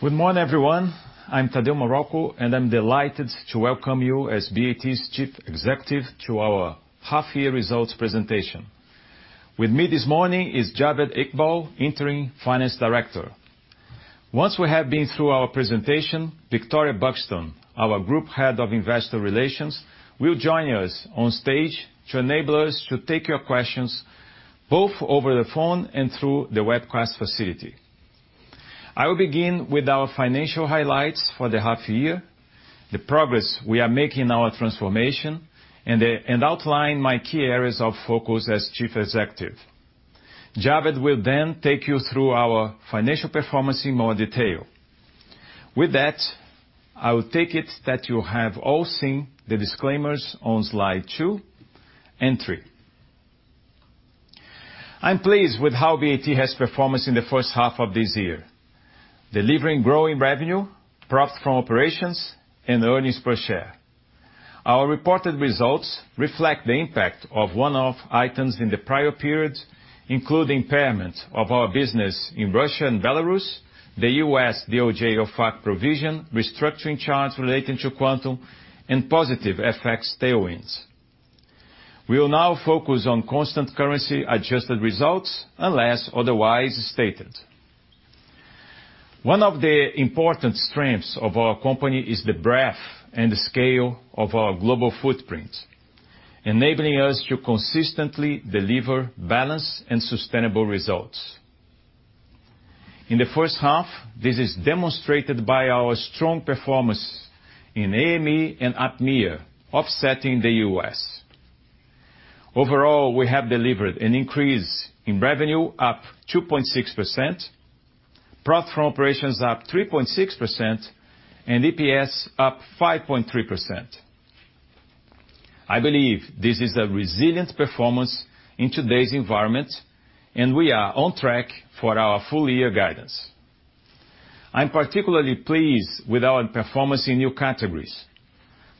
Good morning, everyone. I'm Tadeu Marroco, and I'm delighted to welcome you as BAT's Chief Executive to our half-year results presentation. With me this morning is Javed Iqbal, Interim Finance Director. Once we have been through our presentation, Victoria Buxton, our Group Head of Investor Relations, will join us on stage to enable us to take your questions, both over the phone and through the webcast facility. I will begin with our financial highlights for the half year, the progress we are making in our transformation, and outline my key areas of focus as Chief Executive. Javed will take you through our financial performance in more detail. With that, I will take it that you have all seen the disclaimers on slide two and three. I'm pleased with how BAT has performed in the first half of this year, delivering growing revenue, profit from operations, and earnings per share. Our reported results reflect the impact of one-off items in the prior period, including impairment of our business in Russia and Belarus, the U.S. DOJ OFAC provision, restructuring charges relating to Quantum, and positive FX tailwinds. We will now focus on constant currency-adjusted results, unless otherwise stated. One of the important strengths of our company is the breadth and the scale of our global footprint, enabling us to consistently deliver balanced and sustainable results. In the first half, this is demonstrated by our strong performance in AME and APMEA, offsetting the U.S. Overall, we have delivered an increase in revenue, up 2.6%, profit from operations up 3.6%, and EPS up 5.3%. I believe this is a resilient performance in today's environment, and we are on track for our full year guidance. I'm particularly pleased with our performance in new categories,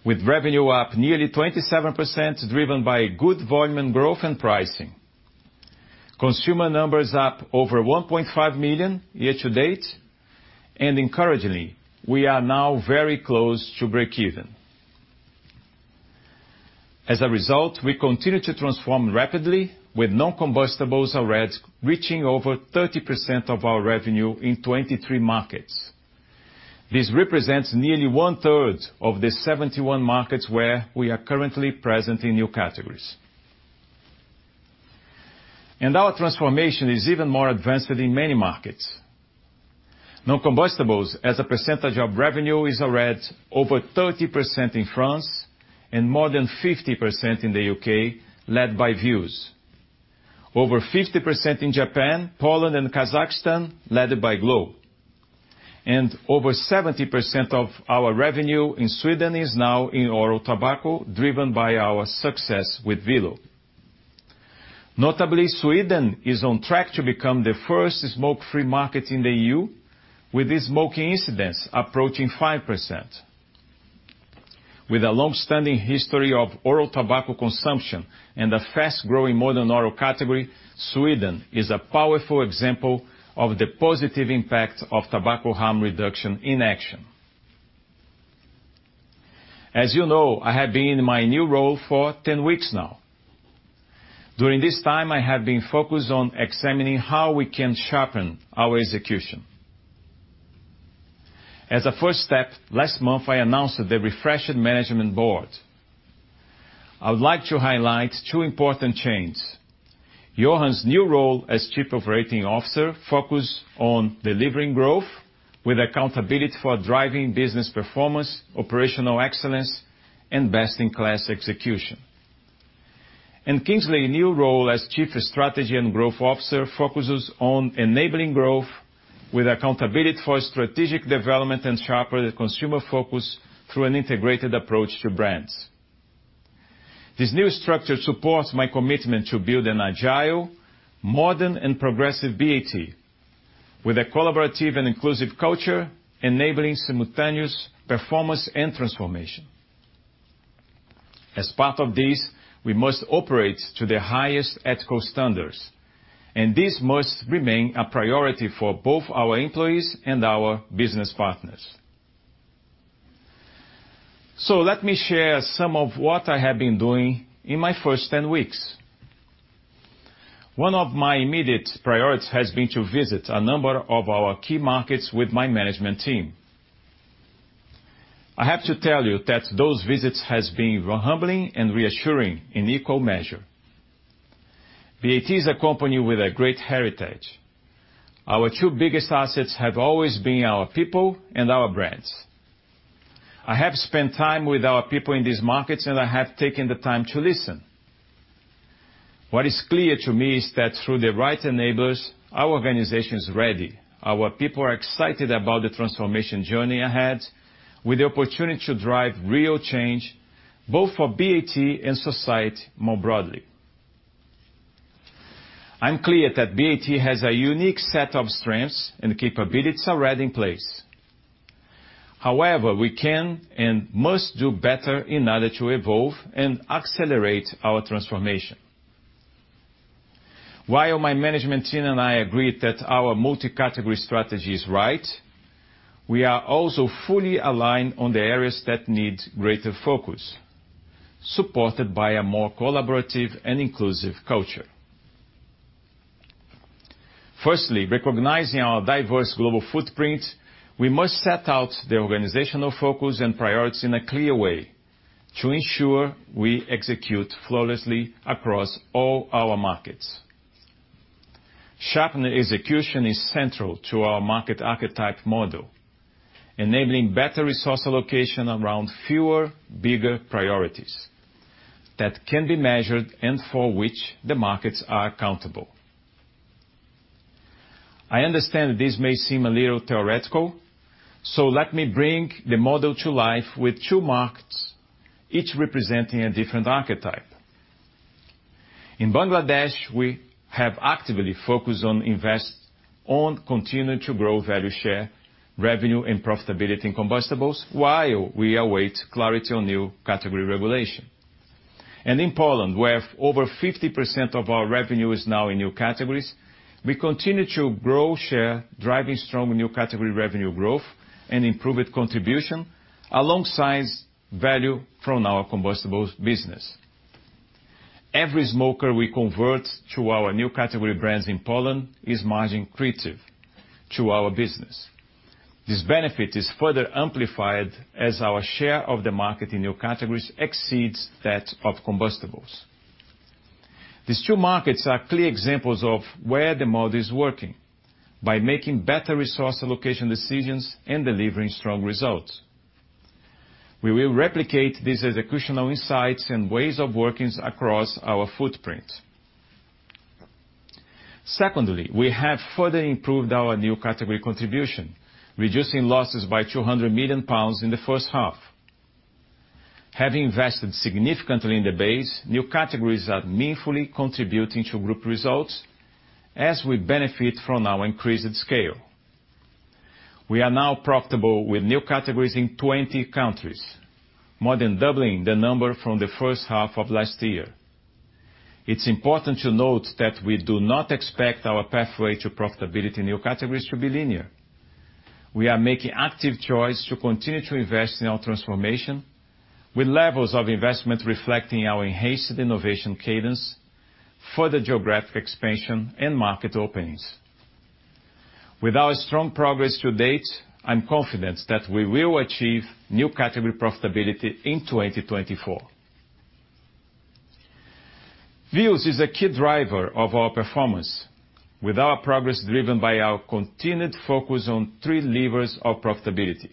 with revenue up nearly 27%, driven by good volume and growth and pricing. Consumer numbers up over 1.5 million year to date, and encouragingly, we are now very close to breakeven. As a result, we continue to transform rapidly, with Non-Combustibles already reaching over 30% of our revenue in 23 markets. This represents nearly 1/3 of the 71 markets where we are currently present in new categories. Our transformation is even more advanced in many markets. Non-Combustibles, as a percentage of revenue, is already over 30% in France and more than 50% in the U.K., led by Vuse. Over 50% in Japan, Poland, and Kazakhstan, led by glo. Over 70% of our revenue in Sweden is now in oral tobacco, driven by our success with Velo. Notably, Sweden is on track to become the first smoke-free market in the EU, with the smoking incidence approaching 5%. With a long-standing history of oral tobacco consumption and a fast-growing Modern Oral category, Sweden is a powerful example of the positive impact of tobacco harm reduction in action. As you know, I have been in my new role for 10 weeks now. During this time, I have been focused on examining how we can sharpen our execution. As a first step, last month, I announced the refreshed Management Board. I would like to highlight two important changes. Johan's new role as Chief Operating Officer, focused on delivering growth with accountability for driving business performance, operational excellence, and best-in-class execution. Kingsley's new role as Chief Strategy and Growth Officer, focuses on enabling growth with accountability for strategic development and sharper consumer focus through an integrated approach to brands. This new structure supports my commitment to build an agile, modern, and progressive BAT, with a collaborative and inclusive culture, enabling simultaneous performance and transformation. As part of this, we must operate to the highest ethical standards, and this must remain a priority for both our employees and our business partners. Let me share some of what I have been doing in my first 10 weeks. One of my immediate priorities has been to visit a number of our key markets with my management team. I have to tell you that those visits has been humbling and reassuring in equal measure. BAT is a company with a great heritage. Our two biggest assets have always been our people and our brands. I have spent time with our people in these markets, and I have taken the time to listen. What is clear to me is that through the right enablers, our organization is ready. Our people are excited about the transformation journey ahead, with the opportunity to drive real change, both for BAT and society more broadly. I'm clear that BAT has a unique set of strengths and capabilities already in place. However, we can and must do better in order to evolve and accelerate our transformation. While my management team and I agreed that our multi-category strategy is right, we are also fully aligned on the areas that need greater focus, supported by a more collaborative and inclusive culture. Firstly, recognizing our diverse global footprint, we must set out the organizational focus and priorities in a clear way to ensure we execute flawlessly across all our markets. Sharpening execution is central to our market archetype model, enabling better resource allocation around fewer, bigger priorities that can be measured and for which the markets are accountable. I understand this may seem a little theoretical, so let me bring the model to life with two markets, each representing a different archetype. In Bangladesh, we have actively focused on continuing to grow value share, revenue, and profitability in combustibles while we await clarity on new category regulation. In Poland, where over 50% of our revenue is now in new categories, we continue to grow share, driving strong new category revenue growth and improved contribution, alongside value from our combustibles business. Every smoker we convert to our new category brands in Poland is margin creative to our business. This benefit is further amplified as our share of the market in new categories exceeds that of combustibles. These two markets are clear examples of where the model is working, by making better resource allocation decisions and delivering strong results. We will replicate these executional insights and ways of workings across our footprint. Secondly, we have further improved our new category contribution, reducing losses by 200 million pounds in the first half. Having invested significantly in the base, new categories are meaningfully contributing to Group results as we benefit from our increased scale. We are now profitable with new categories in 20 countries, more than doubling the number from the first half of last year. It's important to note that we do not expect our pathway to profitability in new categories to be linear. We are making active choice to continue to invest in our transformation, with levels of investment reflecting our enhanced innovation cadence, further geographic expansion, and market openings. With our strong progress to date, I'm confident that we will achieve new category profitability in 2024. Vuse is a key driver of our performance, with our progress driven by our continued focus on three levers of profitability: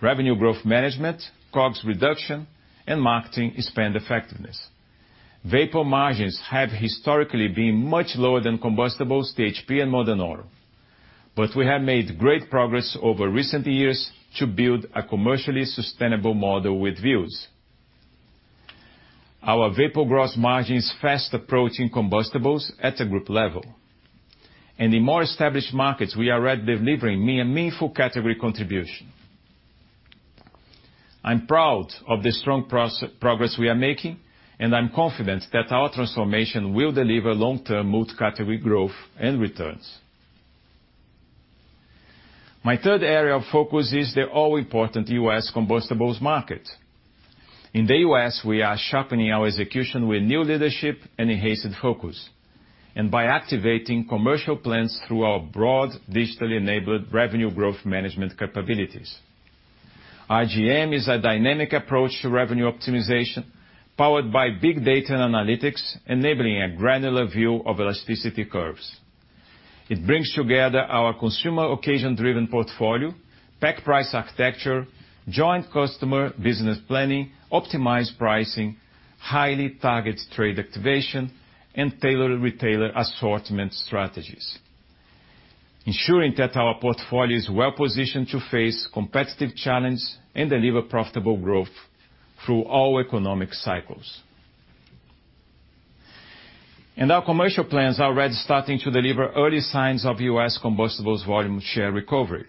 Revenue Growth Management, COGS reduction, and marketing spend effectiveness. Vapour margins have historically been much lower than combustibles, THP, and Modern Oral, but we have made great progress over recent years to build a commercially sustainable model with Vuse. Our Vapour gross margin is fast approaching combustibles at a Group level, and in more established markets, we are already delivering a meaningful category contribution. I'm proud of the strong progress we are making, and I'm confident that our transformation will deliver long-term multi-category growth and returns. My third area of focus is the all-important U.S. combustibles market. In the U.S., we are sharpening our execution with new leadership and enhanced focus, and by activating commercial plans through our broad, digitally enabled Revenue Growth Management capabilities. RGM is a dynamic approach to revenue optimization, powered by big data and analytics, enabling a granular view of elasticity curves. It brings together our consumer occasion-driven portfolio, pack price architecture, joint customer business planning, optimized pricing, highly targeted trade activation, and tailored retailer assortment strategies, ensuring that our portfolio is well-positioned to face competitive challenges and deliver profitable growth through all economic cycles. Our commercial plans are already starting to deliver early signs of U.S. combustibles volume share recovery.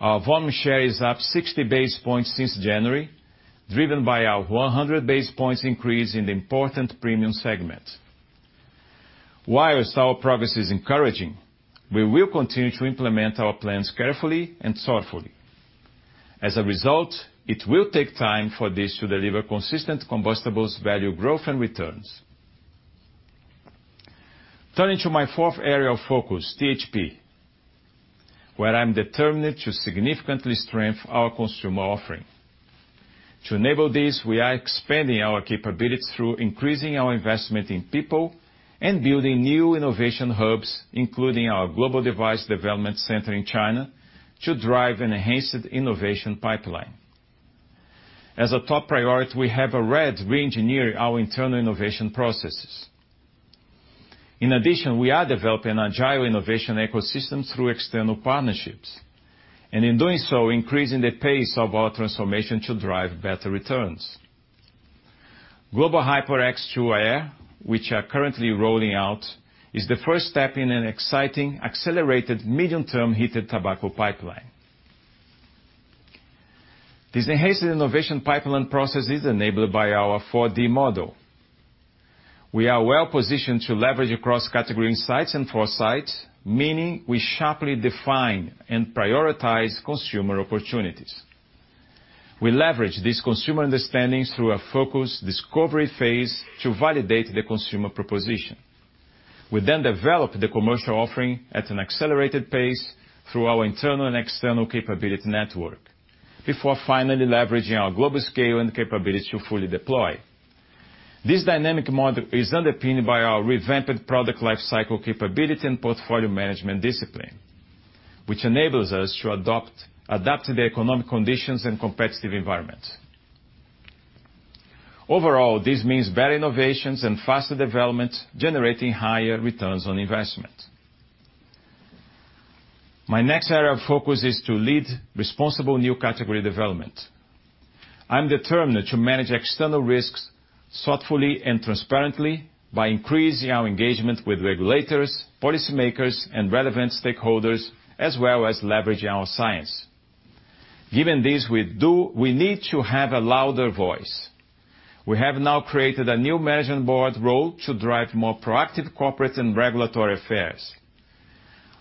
Our volume share is up 60 basis points since January, driven by our 100 basis points increase in the important premium segment. While our progress is encouraging, we will continue to implement our plans carefully and thoughtfully. As a result, it will take time for this to deliver consistent combustibles value growth and returns. Turning to my fourth area of focus, THP, where I'm determined to significantly strengthen our consumer offering. To enable this, we are expanding our capabilities through increasing our investment in people and building new innovation hubs, including our Global Device Development Center in China, to drive an enhanced innovation pipeline. As a top priority, we have already reengineered our internal innovation processes. In addition, we are developing an agile innovation ecosystem through external partnerships, and in doing so, increasing the pace of our transformation to drive better returns. glo HYPER X2 Air, which are currently rolling out, is the first step in an exciting, accelerated, medium-term heated tobacco pipeline. This enhanced innovation pipeline process is enabled by our 4D model. We are well positioned to leverage across category insights and foresights, meaning we sharply define and prioritize consumer opportunities. We leverage these consumer understandings through a focused discovery phase to validate the consumer proposition. We develop the commercial offering at an accelerated pace through our internal and external capability network, before finally leveraging our global scale and capability to fully deploy. This dynamic model is underpinned by our revamped product lifecycle capability and portfolio management discipline, which enables us to adopt, adapt to the economic conditions and competitive environments. Overall, this means better innovations and faster development, generating higher returns on investment. My next area of focus is to lead responsible new category development. I'm determined to manage external risks thoughtfully and transparently by increasing our engagement with regulators, policymakers, and relevant stakeholders, as well as leveraging our science. Given this, we need to have a louder voice. We have now created a new Management Board role to drive more proactive corporate and regulatory affairs.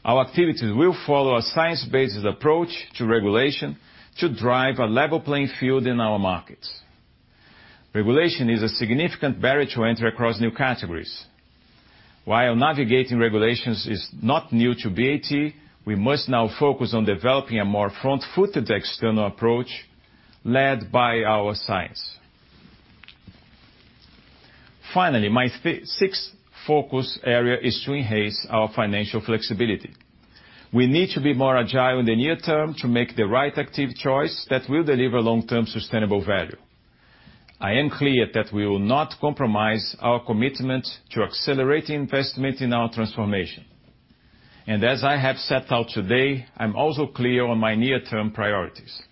Our activities will follow a science-based approach to regulation to drive a level playing field in our markets. Regulation is a significant barrier to entry across new categories. While navigating regulations is not new to BAT, we must now focus on developing a more front-footed external approach led by our science. Finally, my sixth focus area is to enhance our financial flexibility. We need to be more agile in the near term to make the right active choice that will deliver long-term sustainable value. I am clear that we will not compromise our commitment to accelerating investment in our transformation. As I have set out today, I'm also clear on my near-term priorities.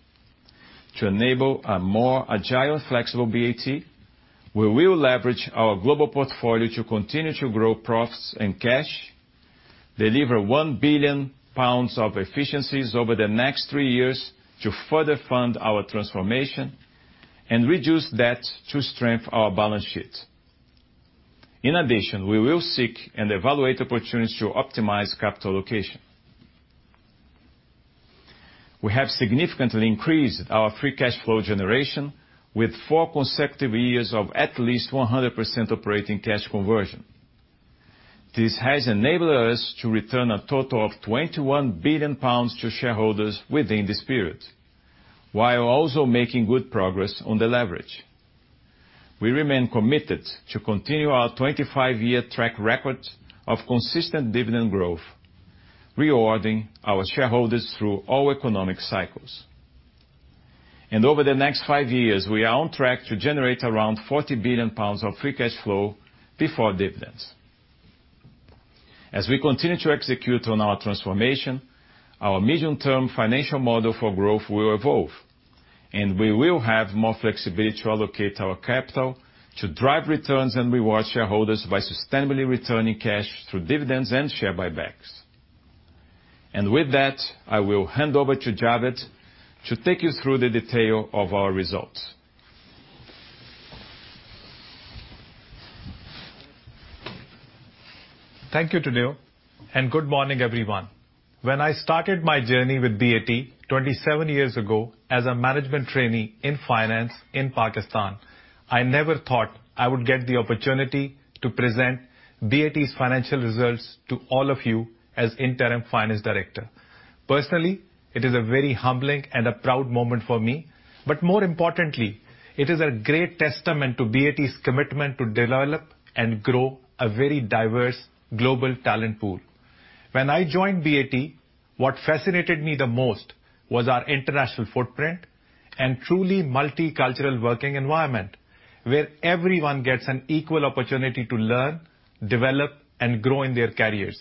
To enable a more agile, flexible BAT, we will leverage our global portfolio to continue to grow profits and cash, deliver 1 billion pounds of efficiencies over the next three years to further fund our transformation, and reduce debt to strengthen our balance sheet. In addition, we will seek and evaluate opportunities to optimize capital allocation. We have significantly increased our free cash flow generation with four consecutive years of at least 100% operating cash conversion. This has enabled us to return a total of 21 billion pounds to shareholders within this period, while also making good progress on the leverage. We remain committed to continue our 25-year track record of consistent dividend growth, rewarding our shareholders through all economic cycles. Over the next five years, we are on track to generate around 40 billion pounds of free cash flow before dividends. As we continue to execute on our transformation, our medium-term financial model for growth will evolve, and we will have more flexibility to allocate our capital to drive returns and reward shareholders by sustainably returning cash through dividends and share buybacks. With that, I will hand over to Javed to take you through the detail of our results. Thank you, Tadeu. Good morning, everyone. When I started my journey with BAT 27 years ago as a Management Trainee in finance in Pakistan, I never thought I would get the opportunity to present BAT's financial results to all of you as Interim Finance Director. Personally, it is a very humbling and a proud moment for me, but more importantly, it is a great testament to BAT's commitment to develop and grow a very diverse global talent pool. When I joined BAT, what fascinated me the most was our international footprint and truly multicultural working environment, where everyone gets an equal opportunity to learn, develop, and grow in their careers.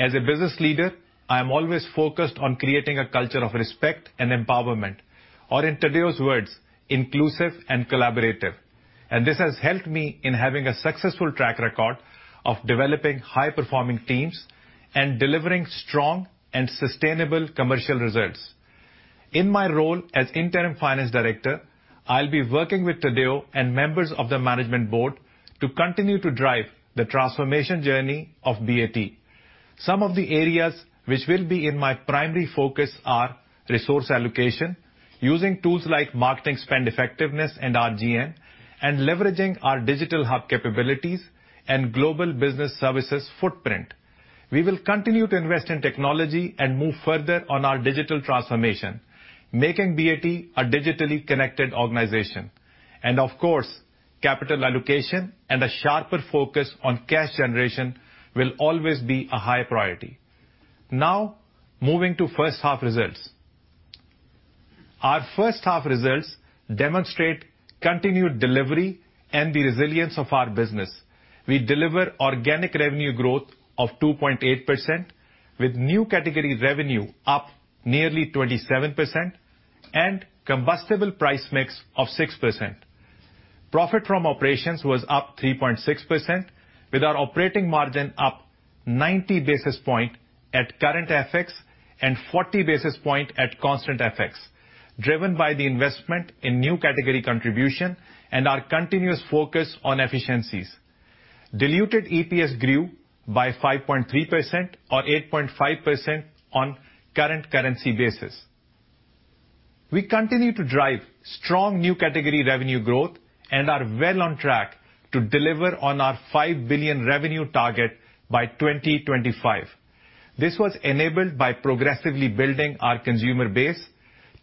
As a business leader, I am always focused on creating a culture of respect and empowerment, or in Tadeu's words, inclusive and collaborative. This has helped me in having a successful track record of developing high-performing teams and delivering strong and sustainable commercial results. In my role as Interim Finance Director, I'll be working with Tadeu and members of the Management Board to continue to drive the transformation journey of BAT. Some of the areas which will be in my primary focus are resource allocation, using tools like marketing spend effectiveness and RGM, and leveraging our digital hub capabilities and Global Business Services footprint. We will continue to invest in technology and move further on our digital transformation, making BAT a digitally connected organization. Of course, capital allocation and a sharper focus on cash generation will always be a high priority. Moving to first half results. Our first half results demonstrate continued delivery and the resilience of our business. We delivered organic revenue growth of 2.8%, with new category revenue up nearly 27% and combustible price mix of 6%. Profit from operations was up 3.6%, with our operating margin up 90 basis point at current FX and 40 basis point at constant FX, driven by the investment in new category contribution and our continuous focus on efficiencies. Diluted EPS grew by 5.3%, or 8.5% on current currency basis. We continue to drive strong new category revenue growth and are well on track to deliver on our 5 billion revenue target by 2025. This was enabled by progressively building our consumer base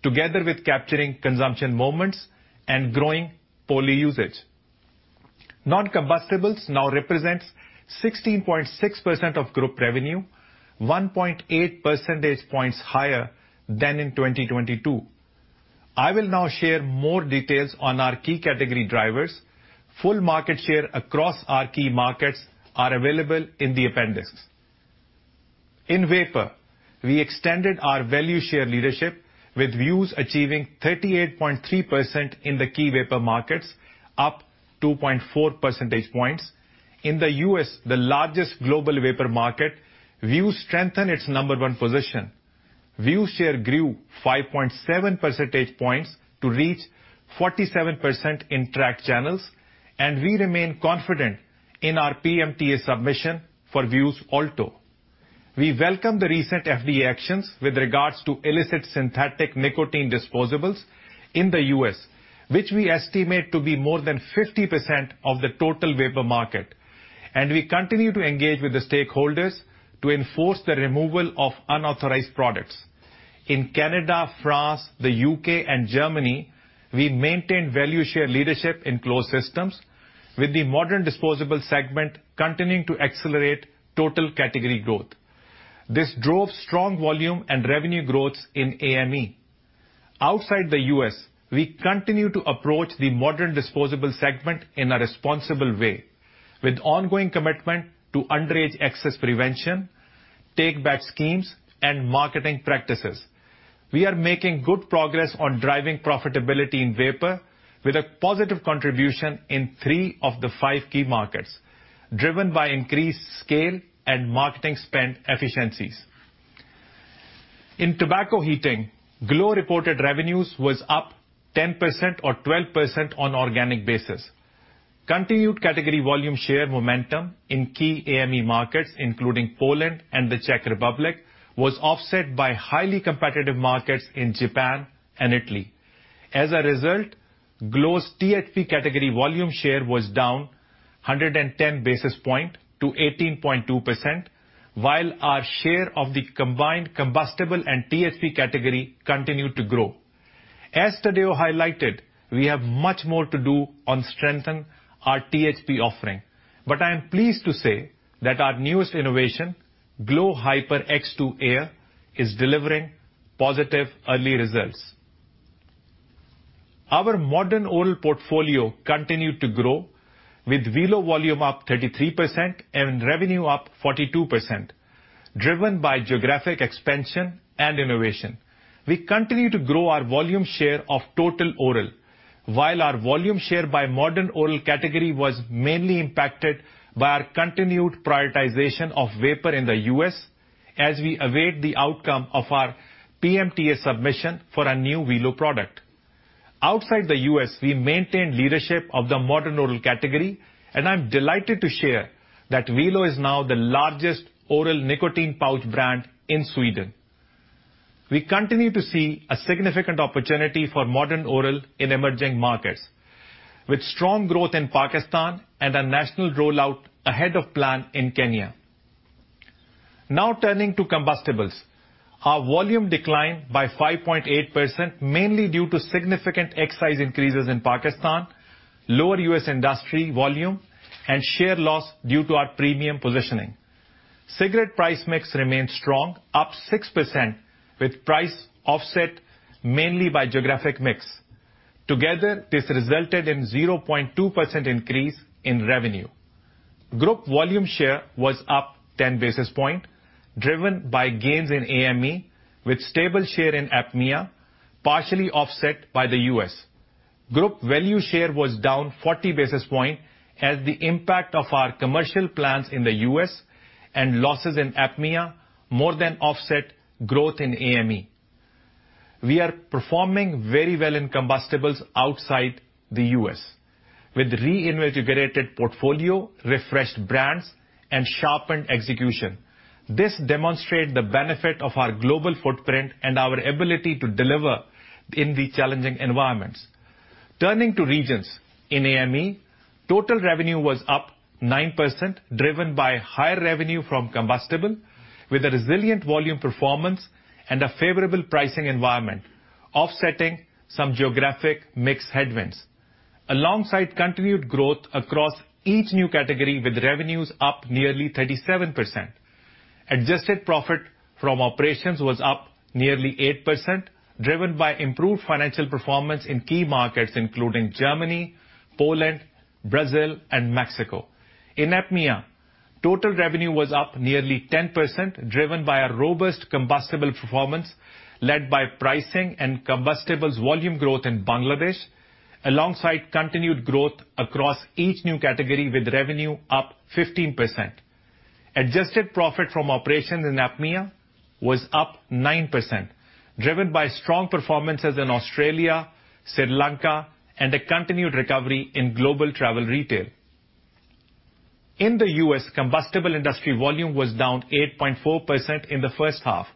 together with capturing consumption moments and growing poly usage. Non-Combustibles now represents 16.6% of Group revenue, 1.8 percentage points higher than in 2022. I will now share more details on our key category drivers. Full market share across our key markets are available in the appendix. In Vapour, we extended our value share leadership, with Vuse achieving 38.3% in the key vapour markets, up 2.4 percentage points. In the U.S., the largest global vapour market, Vuse strengthened its number one position. Vuse share grew 5.7 percentage points to reach 47% in track channels, and we remain confident in our PMTA submission for Vuse Alto. We welcome the recent FDA actions with regards to illicit synthetic nicotine disposables in the U.S., which we estimate to be more than 50% of the total vapour market, and we continue to engage with the stakeholders to enforce the removal of unauthorized products. In Canada, France, the U.K., and Germany, we maintained value share leadership in closed systems, with the modern disposable segment continuing to accelerate total category growth. This drove strong volume and revenue growths in AME. Outside the U.S., we continue to approach the modern disposable segment in a responsible way, with ongoing commitment to underage access prevention, take-back schemes, and marketing practices. We are making good progress on driving profitability in Vapour, with a positive contribution in three of the five key markets, driven by increased scale and marketing spend efficiencies. In Tobacco Heating, glo reported revenues was up 10% or 12% on organic basis. Continued category volume share momentum in key AME markets, including Poland and the Czech Republic, was offset by highly competitive markets in Japan and Italy. As a result, glo's THP category volume share was down 110 basis points to 18.2%, while our share of the combined combustible and THP category continued to grow. As Tadeu highlighted, we have much more to do on strengthen our THP offering, but I am pleased to say that our newest innovation, glo HYPER X2 Air, is delivering positive early results. Our Modern Oral portfolio continued to grow, with Velo volume up 33% and revenue up 42%, driven by geographic expansion and innovation. We continue to grow our volume share of total oral, while our volume share by Modern Oral category was mainly impacted by our continued prioritization of Vapour in the U.S. as we await the outcome of our PMTA submission for a new Velo product. Outside the U.S., we maintained leadership of the Modern Oral category, I'm delighted to share that Velo is now the largest oral nicotine pouch brand in Sweden. We continue to see a significant opportunity for Modern Oral in emerging markets, with strong growth in Pakistan and a national rollout ahead of plan in Kenya. Turning to combustibles. Our volume declined by 5.8%, mainly due to significant excise increases in Pakistan, lower U.S. industry volume, and share loss due to our premium positioning. Cigarette price mix remains strong, up 6%, with price offset mainly by geographic mix. This resulted in 0.2% increase in revenue. Group volume share was up 10 basis points, driven by gains in AME, with stable share in APMEA, partially offset by the U.S. Group value share was down 40 basis point as the impact of our commercial plans in the U.S. and losses in APMEA more than offset growth in AME. We are performing very well in combustibles outside the U.S., with reinvigorated portfolio, refreshed brands, and sharpened execution. This demonstrate the benefit of our global footprint and our ability to deliver in the challenging environments. Turning to regions. In AME, total revenue was up 9%, driven by higher revenue from combustible, with a resilient volume performance and a favorable pricing environment, offsetting some geographic mix headwinds. Alongside continued growth across each new category, with revenues up nearly 37%. Adjusted profit from operations was up nearly 8%, driven by improved financial performance in key markets, including Germany, Poland, Brazil, and Mexico. In APMEA, total revenue was up nearly 10%, driven by a robust combustible performance, led by pricing and combustibles volume growth in Bangladesh, alongside continued growth across each new category, with revenue up 15%. Adjusted profit from operations in APMEA was up 9%, driven by strong performances in Australia, Sri Lanka, and a continued recovery in global travel retail. In the U.S., combustible industry volume was down 8.4% in the first half.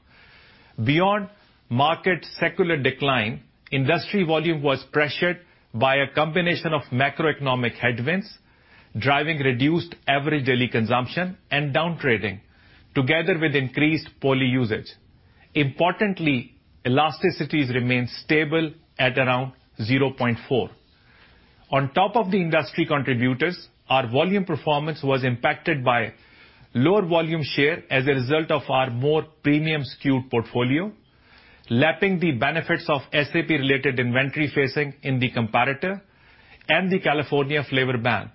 Beyond market secular decline, industry volume was pressured by a combination of macroeconomic headwinds, driving reduced average daily consumption and downtrading, together with increased poly usage. Importantly, elasticities remain stable at around 0.4. On top of the industry contributors, our volume performance was impacted by lower volume share as a result of our more premium skewed portfolio, lapping the benefits of SAP-related inventory phasing in the comparator and the California flavor ban.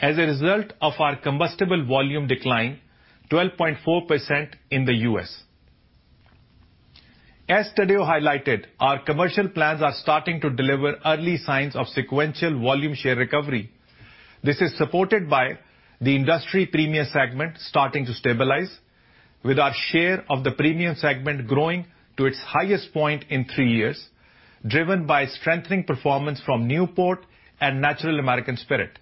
As a result of our combustible volume decline, 12.4% in the U.S. As Tadeu highlighted, our commercial plans are starting to deliver early signs of sequential volume share recovery. This is supported by the industry premium segment starting to stabilize, with our share of the premium segment growing to its highest point in three years, driven by strengthening performance from Newport and Natural American Spirit.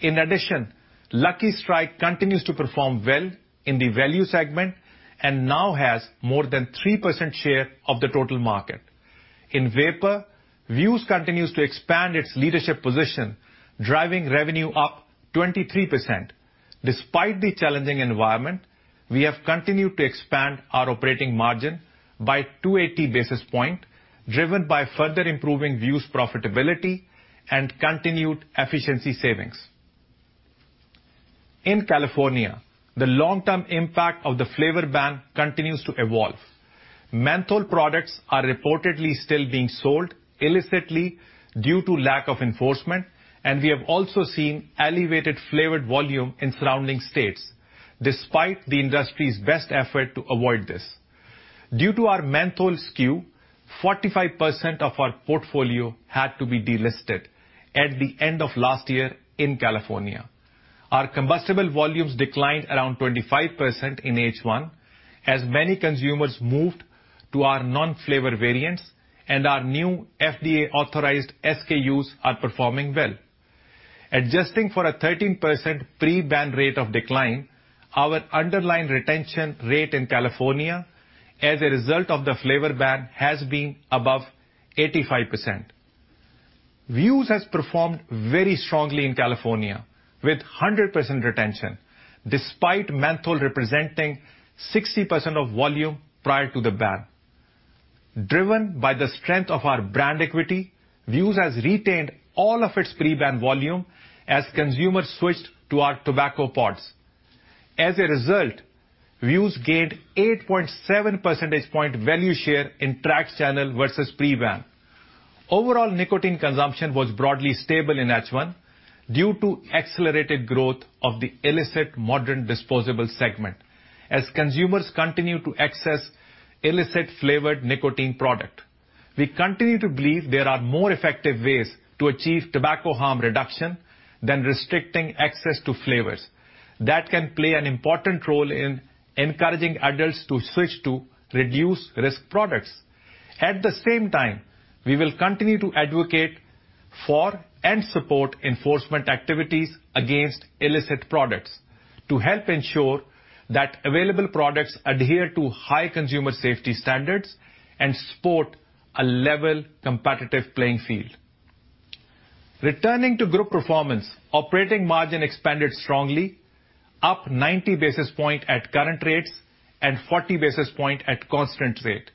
In addition, Lucky Strike continues to perform well in the value segment and now has more than 3% share of the total market. In Vapour, Vuse continues to expand its leadership position, driving revenue up 23%. Despite the challenging environment, we have continued to expand our operating margin by 280 basis points, driven by further improving Vuse profitability and continued efficiency savings. In California, the long-term impact of the flavor ban continues to evolve. Menthol products are reportedly still being sold illicitly due to lack of enforcement, and we have also seen elevated flavored volume in surrounding states, despite the industry's best effort to avoid this. Due to our menthol SKU, 45% of our portfolio had to be delisted at the end of last year in California. Our combustible volumes declined around 25% in H1, as many consumers moved to our non-flavor variants, and our new FDA-authorized SKUs are performing well. Adjusting for a 13% pre-ban rate of decline, our underlying retention rate in California as a result of the flavor ban has been above 85%. Vuse has performed very strongly in California, with 100% retention, despite menthol representing 60% of volume prior to the ban. Driven by the strength of our brand equity, Vuse has retained all of its pre-ban volume as consumers switched to our tobacco pods. Vuse gained 8.7 percentage point value share in tracks channel versus pre-ban. Overall, nicotine consumption was broadly stable in H1 due to accelerated growth of the illicit modern disposable segment, as consumers continue to access illicit flavored nicotine product. We continue to believe there are more effective ways to achieve tobacco harm reduction than restricting access to flavors. That can play an important role in encouraging adults to switch to reduced-risk products. At the same time, we will continue to advocate for and support enforcement activities against illicit products to help ensure that available products adhere to high consumer safety standards and support a level competitive playing field. Returning to Group performance, operating margin expanded strongly, up 90 basis point at current rates and 40 basis point at constant rate.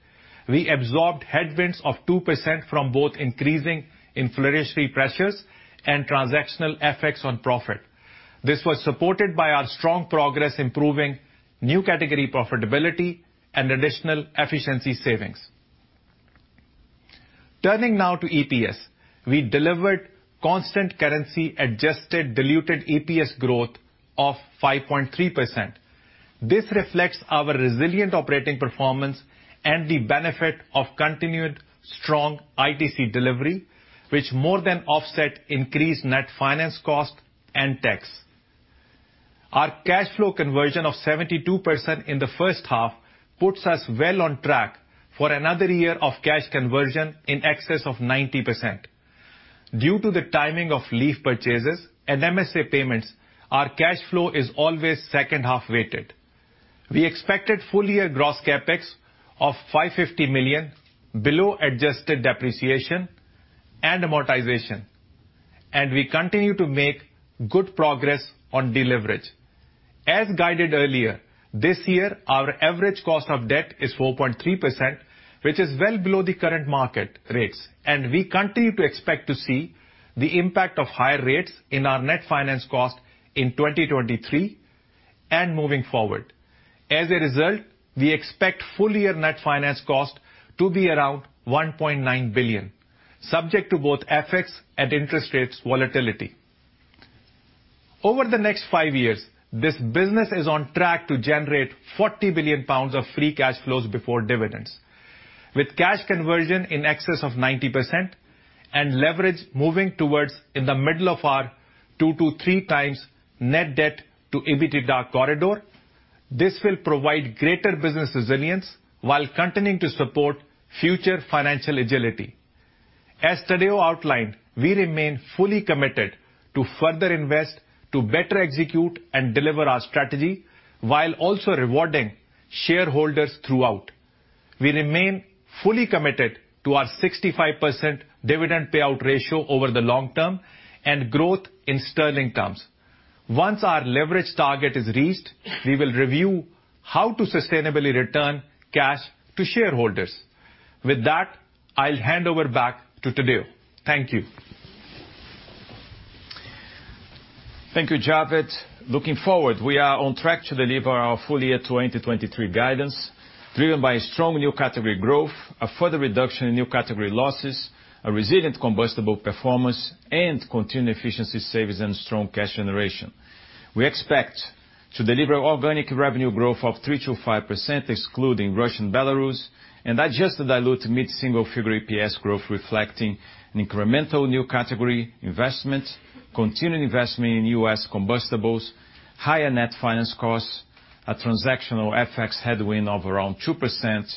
We absorbed headwinds of 2% from both increasing inflationary pressures and transactional effects on profit. This was supported by our strong progress improving new category profitability and additional efficiency savings. Turning now to EPS, we delivered constant currency adjusted diluted EPS growth of 5.3%. This reflects our resilient operating performance and the benefit of continued strong ITC delivery, which more than offset increased net finance cost and tax. Our cash flow conversion of 72% in the first half puts us well on track for another year of cash conversion in excess of 90%. Due to the timing of leaf purchases and MSA payments, our cash flow is always second-half weighted. We expected full-year gross CapEx of 550 million below adjusted depreciation and amortization. We continue to make good progress on deleverage. As guided earlier, this year, our average cost of debt is 4.3%, which is well below the current market rates, and we continue to expect to see the impact of higher rates in our net finance cost in 2023 and moving forward. We expect full year net finance cost to be around 1.9 billion, subject to both FX and interest rates volatility. Over the next five years, this business is on track to generate 40 billion pounds of free cash flows before dividends, with cash conversion in excess of 90% and leverage moving towards in the middle of our 2x-3x net debt to EBITDA corridor. This will provide greater business resilience, while continuing to support future financial agility. As Tadeu outlined, we remain fully committed to further invest, to better execute and deliver our strategy, while also rewarding shareholders throughout. We remain fully committed to our 65% dividend payout ratio over the long term, and growth in sterling terms. Once our leverage target is reached, we will review how to sustainably return cash to shareholders. With that, I'll hand over back to Tadeu. Thank you. Thank you, Javed. Looking forward, we are on track to deliver our full year 2023 guidance, driven by strong new category growth, a further reduction in new category losses, a resilient Combustible performance, and continued efficiency savings and strong cash generation. We expect to deliver organic revenue growth of 3%-5%, excluding Russia and Belarus, and adjusted diluted mid-single figure EPS growth, reflecting an incremental new category investment, continuing investment in U.S. combustibles, higher net finance costs, a transactional FX headwind of around 2%,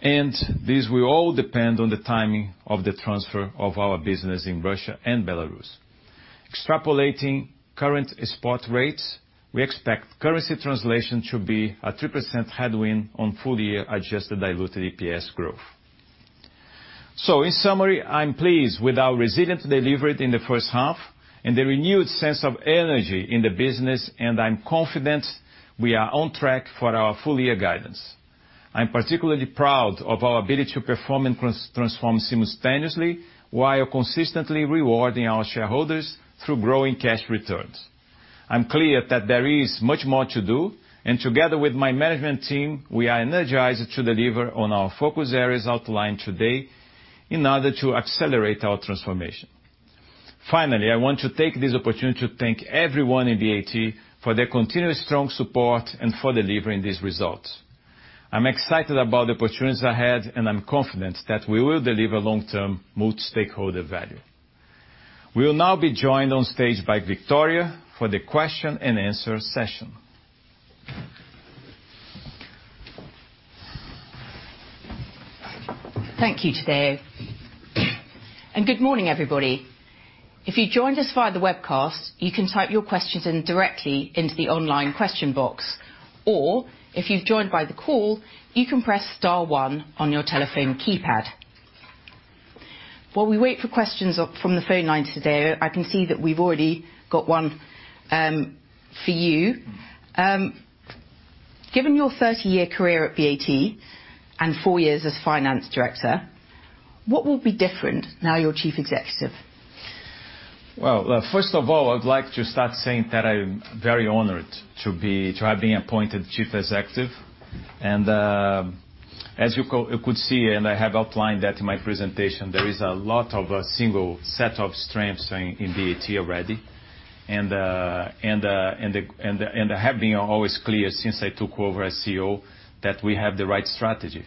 and these will all depend on the timing of the transfer of our business in Russia and Belarus. Extrapolating current spot rates, we expect currency translation to be a 3% headwind on full year adjusted diluted EPS growth. In summary, I'm pleased with our resilient delivery in the first half and the renewed sense of energy in the business, and I'm confident we are on track for our full year guidance. I'm particularly proud of our ability to perform and transform simultaneously, while consistently rewarding our shareholders through growing cash returns. I'm clear that there is much more to do. Together with my management team, we are energized to deliver on our focus areas outlined today in order to accelerate our transformation. I want to take this opportunity to thank everyone in BAT for their continuous strong support and for delivering these results. I'm excited about the opportunities ahead, and I'm confident that we will deliver long-term multi-stakeholder value. We will now be joined on stage by Victoria for the question and answer session. Thank you, Tadeu, good morning, everybody. If you joined us via the webcast, you can type your questions in directly into the online question box, or if you've joined by the call, you can press star one on your telephone keypad. While we wait for questions up from the phone lines, Tadeu, I can see that we've already got one for you. Given your 30-year career at BAT and four years as Finance Director, what will be different now you're Chief Executive? Well, first of all, I'd like to start saying that I'm very honored to have been appointed chief executive. As you could see, and I have outlined that in my presentation, there is a lot of a single set of strengths in BAT already. I have been always clear since I took over as CEO, that we have the right strategy.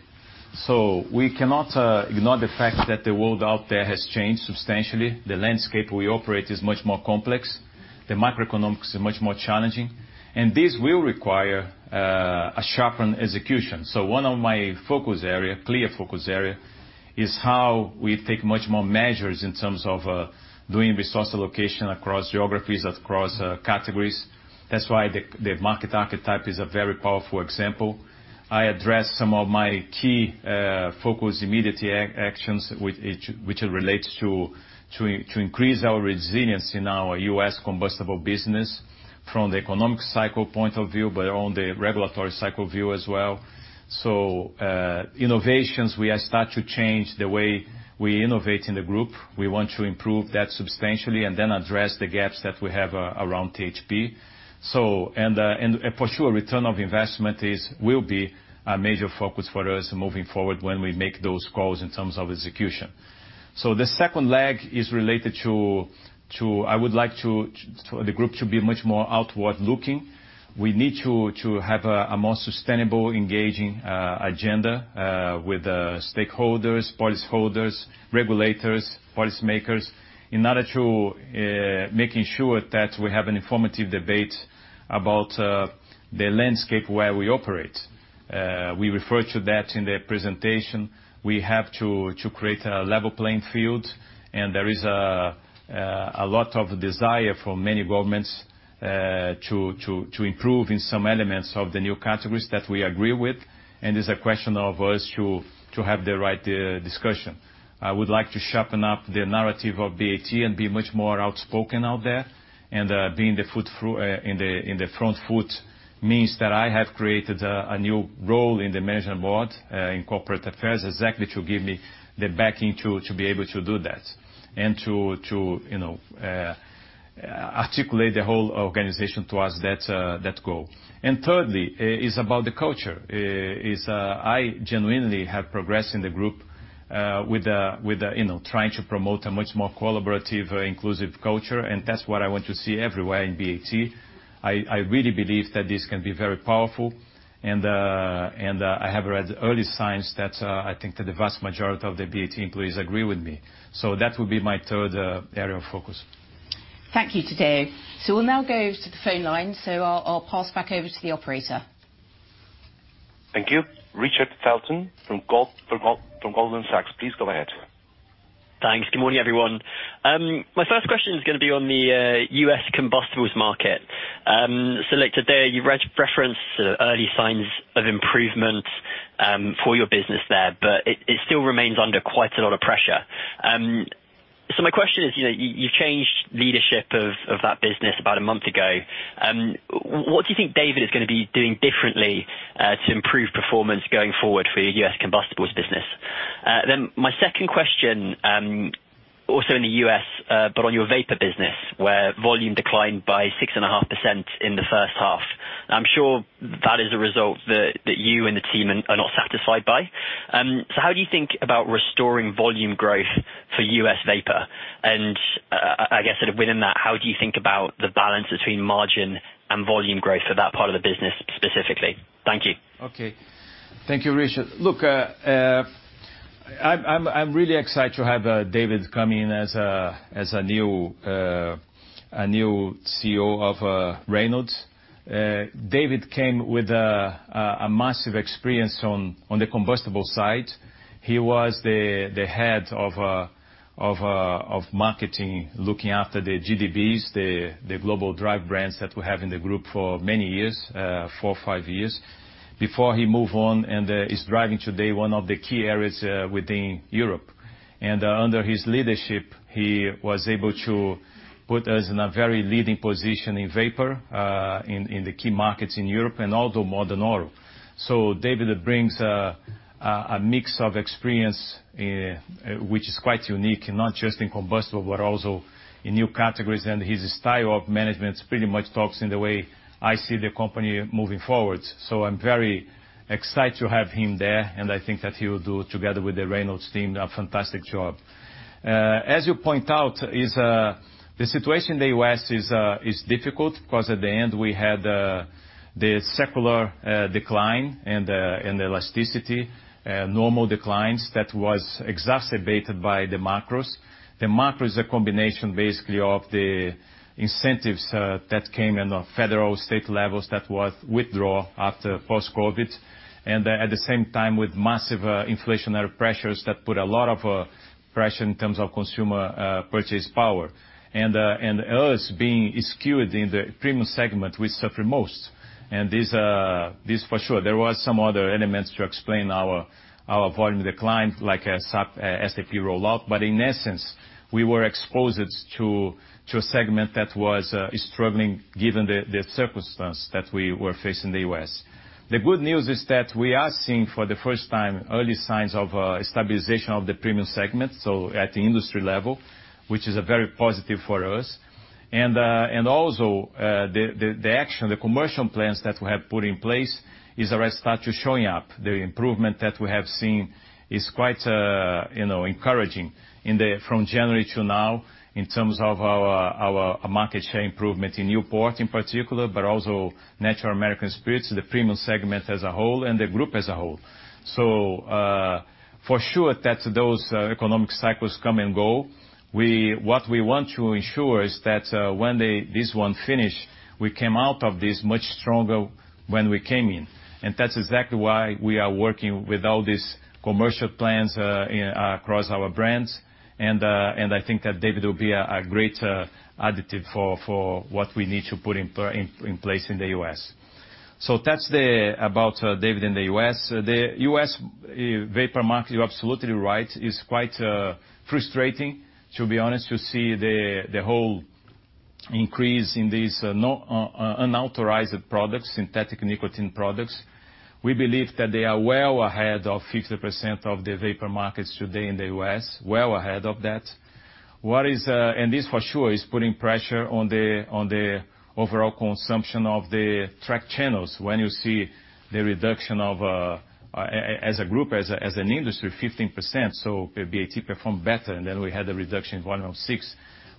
We cannot ignore the fact that the world out there has changed substantially. The landscape we operate is much more complex, the macroeconomics is much more challenging, and this will require a sharpened execution. One of my focus area, clear focus area, is how we take much more measures in terms of doing resource allocation across geographies, across categories. That's why the market archetype is a very powerful example. I addressed some of my key focus immediate actions which relates to increase our resilience in our U.S. combustible business from the economic cycle point of view, but on the regulatory cycle view as well. Innovations, we are start to change the way we innovate in the Group. We want to improve that substantially and then address the gaps that we have around THP. And for sure, return of investment is, will be a major focus for us moving forward when we make those calls in terms of execution. The second leg is related to. I would like the Group to be much more outward looking. We need to have a more sustainable, engaging agenda with stakeholders, policyholders, regulators, policymakers, in order to making sure that we have an informative debate about the landscape where we operate. We refer to that in the presentation. We have to create a level playing field. There is a lot of desire for many governments to improve in some elements of the new categories that we agree with. It's a question of us to have the right discussion. I would like to sharpen up the narrative of BAT and be much more outspoken out there, and, being the foot through, in the, in the front foot means that I have created a new role in the Management Board, in corporate affairs, exactly to give me the backing to be able to do that and to, you know, articulate the whole organization towards that goal. Thirdly, is about the culture. is, I genuinely have progressed with, you know, trying to promote a much more collaborative, inclusive culture, and that's what I want to see everywhere in BAT. I really believe that this can be very powerful, and I have read early signs that I think that the vast majority of the BAT employees agree with me. That would be my third area of focus. Thank you, Tadeu. We'll now go to the phone lines. I'll pass back over to the operator. Thank you. Richard Felton from Goldman Sachs, please go ahead. Thanks. Good morning, everyone. My first question is gonna be on the U.S. combustibles market. Look, today, you referenced the early signs of improvement for your business there, but it still remains under quite a lot of pressure. My question is, you know, you've changed leadership of that business about a month ago. What do you think David is gonna be doing differently to improve performance going forward for your U.S. combustibles business? My second question, also in the U.S., but on your Vapour business, where volume declined by 6.5% in the first half. I'm sure that is a result that you and the team are not satisfied by. How do you think about restoring volume growth for U.S. Vapour? I guess, sort of within that, how do you think about the balance between margin and volume growth for that part of the business, specifically? Thank you. Okay. Thank you, Richard. Look, I'm really excited to have David come in as a new CEO of Reynolds. David came with a massive experience on the combustible side. He was the head of marketing, looking after the GDBs, the Global Drive Brands that we have in the Group for many years, four, five years, before he moved on and is driving today one of the key areas within Europe. Under his leadership, he was able to put us in a very leading position in Vapour in the key markets in Europe and also Modern Oral. David brings a mix of experience, which is quite unique, not just in combustible, but also in new categories, and his style of management pretty much talks in the way I see the company moving forward. I'm very excited to have him there, and I think that he will do, together with the Reynolds team, a fantastic job. As you point out, the situation in the U.S. is difficult, because at the end, we had the secular decline and elasticity normal declines that was exacerbated by the macros. The macro is a combination, basically, of the incentives that came in the federal state levels that was withdrawn after post-COVID. At the same time, with massive inflationary pressures that put a lot of pressure in terms of consumer purchase power. Us being skewed in the premium segment, we suffer most. This for sure. There was some other elements to explain our volume decline, like a SAP rollout, but in essence, we were exposed to a segment that was struggling, given the circumstance that we were facing in the U.S. The good news is that we are seeing, for the first time, early signs of stabilization of the premium segment, so at the industry level, which is a very positive for us. Also, the action, the commercial plans that we have put in place is already start to showing up. The improvement that we have seen is quite, you know, encouraging from January to now, in terms of our market share improvement in Newport in particular, but also Natural American Spirit, the premium segment as a whole and the Group as a whole. For sure, those economic cycles come and go. What we want to ensure is that when they, this one finish, we came out of this much stronger when we came in, and that's exactly why we are working with all these commercial plans across our brands. I think that David will be a great additive for what we need to put in place in the U.S. That's about David in the U.S. The U.S. Vapour market, you're absolutely right, is quite frustrating, to be honest, to see the whole increase in these unauthorized products, synthetic nicotine products. We believe that they are well ahead of 50% of the vapour markets today in the U.S., well ahead of that. What is, and this for sure, is putting pressure on the overall consumption of the track channels. When you see the reduction of, as a group, as an industry, 15%, so BAT performed better, and then we had a reduction in 106.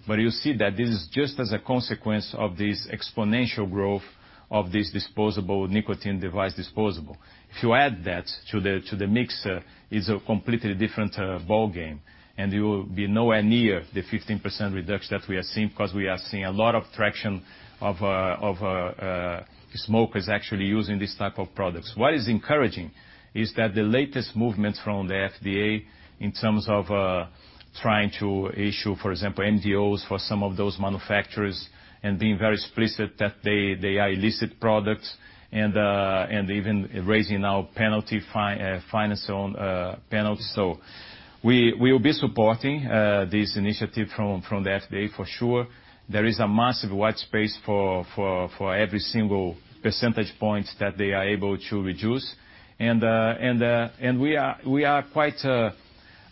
You see that this is just as a consequence of this exponential growth of this disposable nicotine device. If you add that to the, to the mix, it's a completely different ballgame. You will be nowhere near the 15% reduction that we are seeing, because we are seeing a lot of traction of, smokers actually using this type of products. What is encouraging is that the latest movements from the FDA in terms of, trying to issue, for example, MDOs for some of those manufacturers, being very explicit that they are illicit products, even raising our penalty. We, we will be supporting this initiative from the FDA for sure. There is a massive white space for every single percentage points that they are able to reduce. We are quite,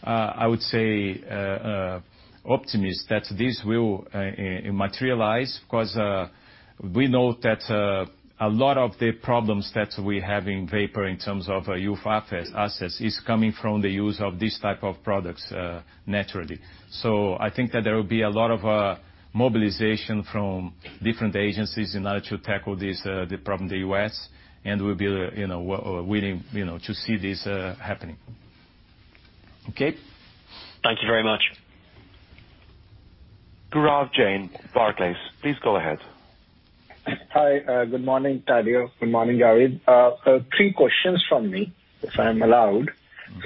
I would say, optimist that this will materialize, because we know that a lot of the problems that we have in Vapour in terms of youth access is coming from the use of this type of products naturally. I think that there will be a lot of mobilization from different agencies in order to tackle this the problem in the U.S., and we'll be, you know, willing, you know, to see this happening. Okay. Thank you very much. Gaurav Jain, Barclays, please go ahead. Hi, good morning, Tadeu. Good morning, Javed. Three questions from me, if I'm allowed.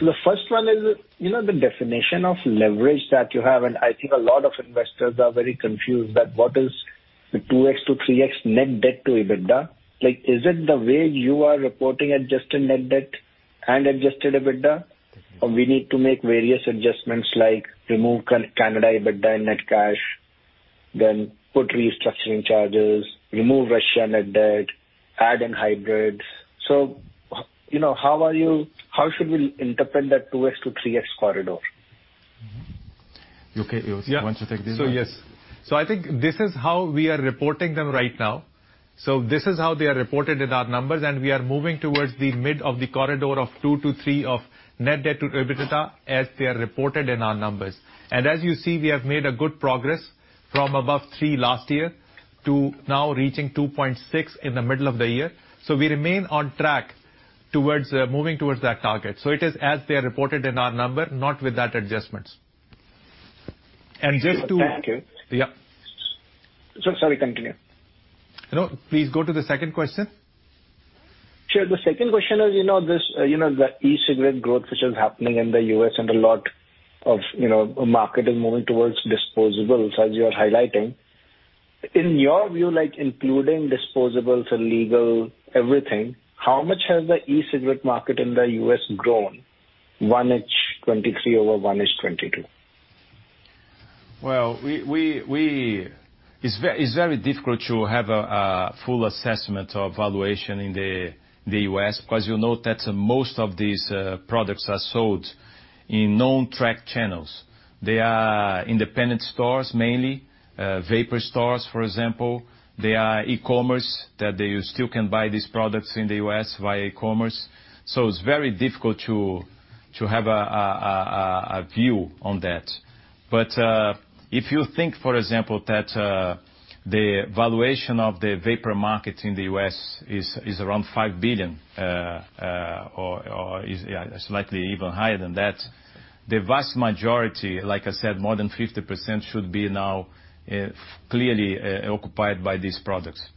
The first one is, you know, the definition of leverage that you have, and I think a lot of investors are very confused, that what is the 2x-3x net debt to EBITDA? Like, is it the way you are reporting adjusted net debt and adjusted EBITDA? We need to make various adjustments like remove Canada, EBITDA, and net cash, then put restructuring charges, remove Russian net debt, add in hybrids. You know, how should we interpret that 2x-3x corridor? You, okay, you want to take this? Yes. I think this is how we are reporting them right now. This is how they are reported in our numbers, and we are moving towards the mid of the corridor of 2x-3x of net debt to EBITDA, as they are reported in our numbers. As you see, we have made a good progress from above 3x last year to now reaching 2.6x in the middle of the year. We remain on track towards moving towards that target. It is, as they are reported in our number, not with that adjustments. Thank you. Yeah. Sorry, continue. No, please go to the second question. Sure. The second question is, you know, this, you know, the e-cigarette growth, which is happening in the U.S., and a lot of, you know, market is moving towards disposables, as you're highlighting. In your view, like, including disposables and legal everything, how much has the e-cigarette market in the U.S. grown, 1H 2023 over 1H 2022? Well, it's very difficult to have a full assessment or valuation in the U.S. because you know that most of these products are sold in non-track channels. They are independent stores, mainly vapour stores, for example. They are e-commerce, that you still can buy these products in the U.S. via e-commerce. It's very difficult to have a view on that. If you think, for example, that the valuation of the vapour market in the U.S. is around $5 billion, or is, yeah, slightly even higher than that, the vast majority, like I said, more than 50%, should be now clearly occupied by these products.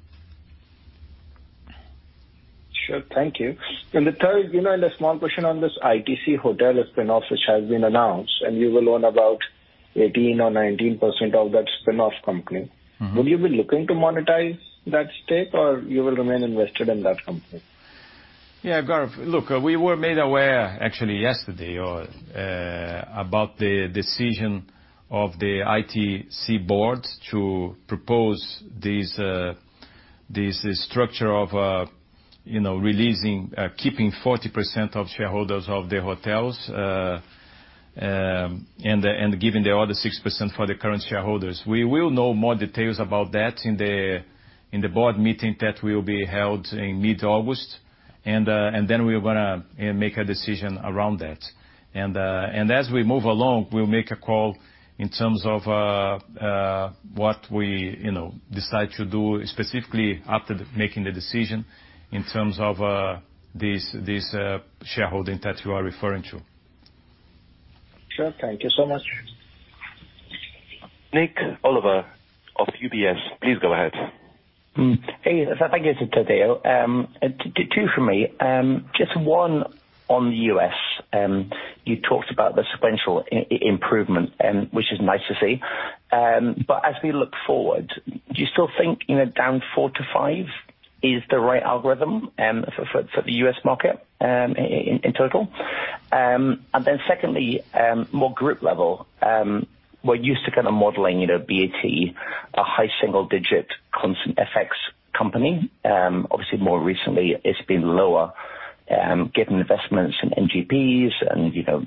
Sure. Thank you. The third, you know, and a small question on this ITC Hotels spin-off, which has been announced, and you will own about 18% or 19% of that spin-off company. Mm-hmm. Will you be looking to monetize that stake, or you will remain invested in that company? Yeah, Gaurav, look, we were made aware, actually yesterday, or about the decision of the ITC Board to propose this structure of, you know, releasing, keeping 40% of shareholders of the hotels, and giving the other 6% for the current shareholders. We will know more details about that in the Board meeting that will be held in mid-August. Then we're gonna make a decision around that. As we move along, we'll make a call in terms of what we, you know, decide to do, specifically after making the decision, in terms of this shareholding that you are referring to. Sure. Thank you so much. Nik Oliver of UBS, please go ahead. Hey, thank you, Tadeu. Two for me. Just one on the U.S. You talked about the sequential improvement, which is nice to see. As we look forward, do you still think, you know, down 4%-5% is the right algorithm for the U.S. market in total? Secondly, more Group level. We're used to kind of modeling, you know, BAT, a high single-digit constant FX company. Obviously, more recently, it's been lower, given investments in NGPs and, you know,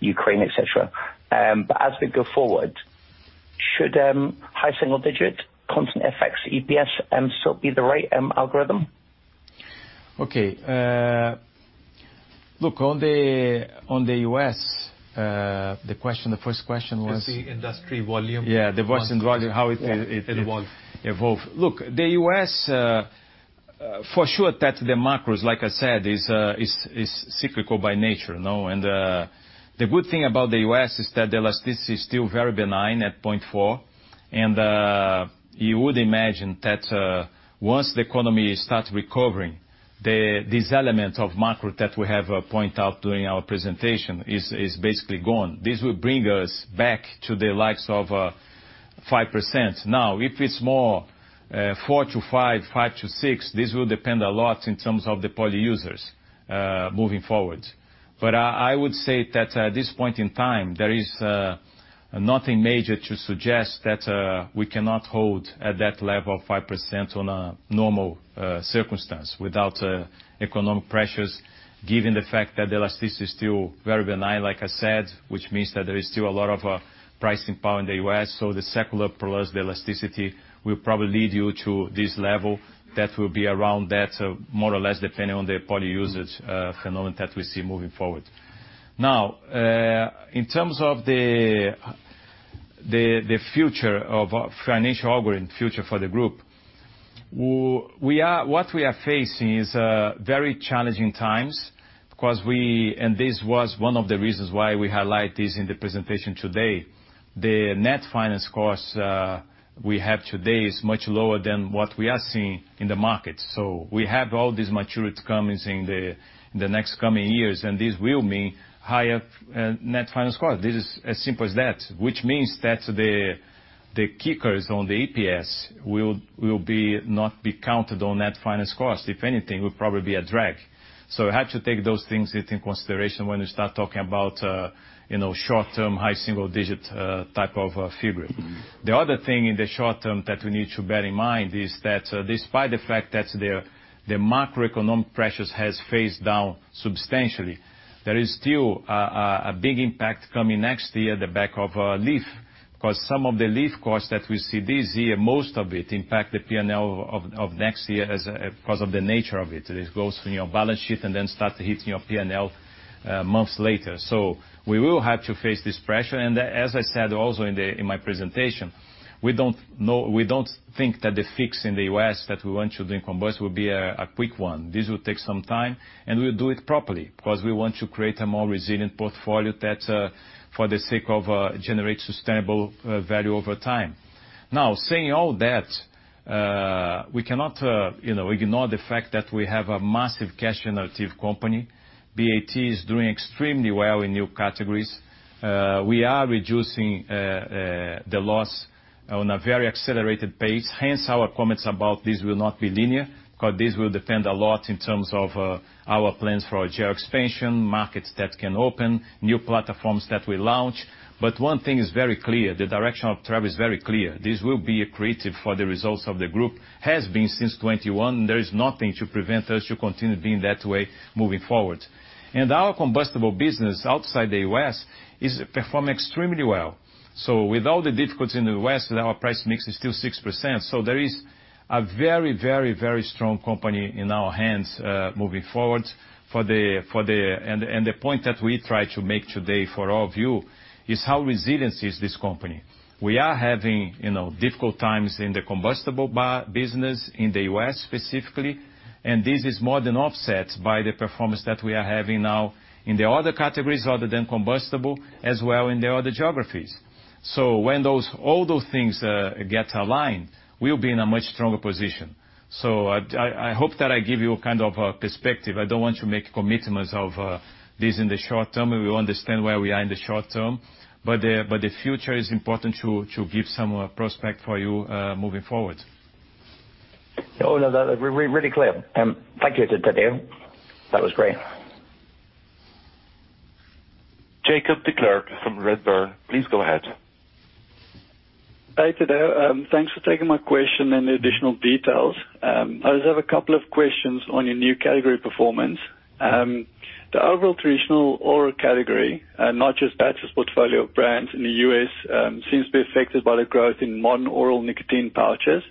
Ukraine, et cetera. As we go forward, should high single-digit constant FX, EPS, still be the right algorithm? Okay, look, on the U.S., the question, the first question was. Is the industry volume? Yeah, the industry volume, how it evolve. Look, the U.S., for sure, that the macros, like I said, is cyclical by nature, no. The good thing about the U.S. is that the elasticity is still very benign at 0.4, and you would imagine that once the economy starts recovering, this element of macro that we have pointed out during our presentation is basically gone. This will bring us back to the likes of 5%. Now, if it's more, 4%-5%, 5%-6%, this will depend a lot in terms of the poly users moving forward. I would say that at this point in time, there is nothing major to suggest that we cannot hold at that level of 5% on a normal circumstance without economic pressures, given the fact that the elasticity is still very benign, like I said, which means that there is still a lot of pricing power in the U.S. The secular plus the elasticity will probably lead you to this level, that will be around that more or less, depending on the poly usage phenomenon that we see moving forward. In terms of the future of financial algorithm, future for the Group. We are, what we are facing is very challenging times, because we, and this was one of the reasons why we highlight this in the presentation today. The net finance costs we have today is much lower than what we are seeing in the market. We have all these maturities coming in the next coming years, and this will mean higher net finance costs. This is as simple as that. Which means that the kickers on the EPS will not be counted on net finance cost. If anything, it will probably be a drag. I have to take those things into consideration when you start talking about, you know, short-term, high single digit type of figure. The other thing in the short term that we need to bear in mind is that despite the fact that the macroeconomic pressures has phased down substantially, there is still a big impact coming next year at the back of leaf. Because some of the leaf costs that we see this year, most of it impact the P&L of next year as because of the nature of it. It goes from your balance sheet and then start hitting your P&L months later. We will have to face this pressure. As I said, also in my presentation, we don't think that the fix in the U.S., that we want to do in combustible, will be a quick one. This will take some time, and we'll do it properly, because we want to create a more resilient portfolio that for the sake of generate sustainable value over time. Saying all that, we cannot, you know, ignore the fact that we have a massive cash generative company. BAT is doing extremely well in new categories. We are reducing the loss on a very accelerated pace, hence our comments about this will not be linear, because this will depend a lot in terms of our plans for our geo expansion, markets that can open, new platforms that we launch. One thing is very clear, the direction of travel is very clear. This will be accretive for the results of the Group, has been since 2021, there is nothing to prevent us to continue being that way moving forward. Our combustible business outside the U.S. is performing extremely well. With all the difficulties in the U.S., our price mix is still 6%. There is a very, very, very strong company in our hands, moving forward. The point that we try to make today for all of you, is how resilient is this company. We are having, you know, difficult times in the combustible business, in the U.S. specifically, and this is more than offset by the performance that we are having now in the other categories other than combustible, as well in the other geographies. When those, all those things get aligned, we'll be in a much stronger position. I hope that I give you a kind of a perspective. I don't want to make commitments of this in the short term, and we understand where we are in the short term, but the future is important to give some prospect for you moving forward. Oh, no, that, really clear. Thank you, Tadeu. That was great. Jacob de Klerk from Redburn, please go ahead. Hi, Tadeu, thanks for taking my question and the additional details. I just have a couple of questions on your new category performance. The overall traditional oral category, not just BAT's, portfolio of brands in the U.S., seems to be affected by the growth in Modern Oral nicotine pouches.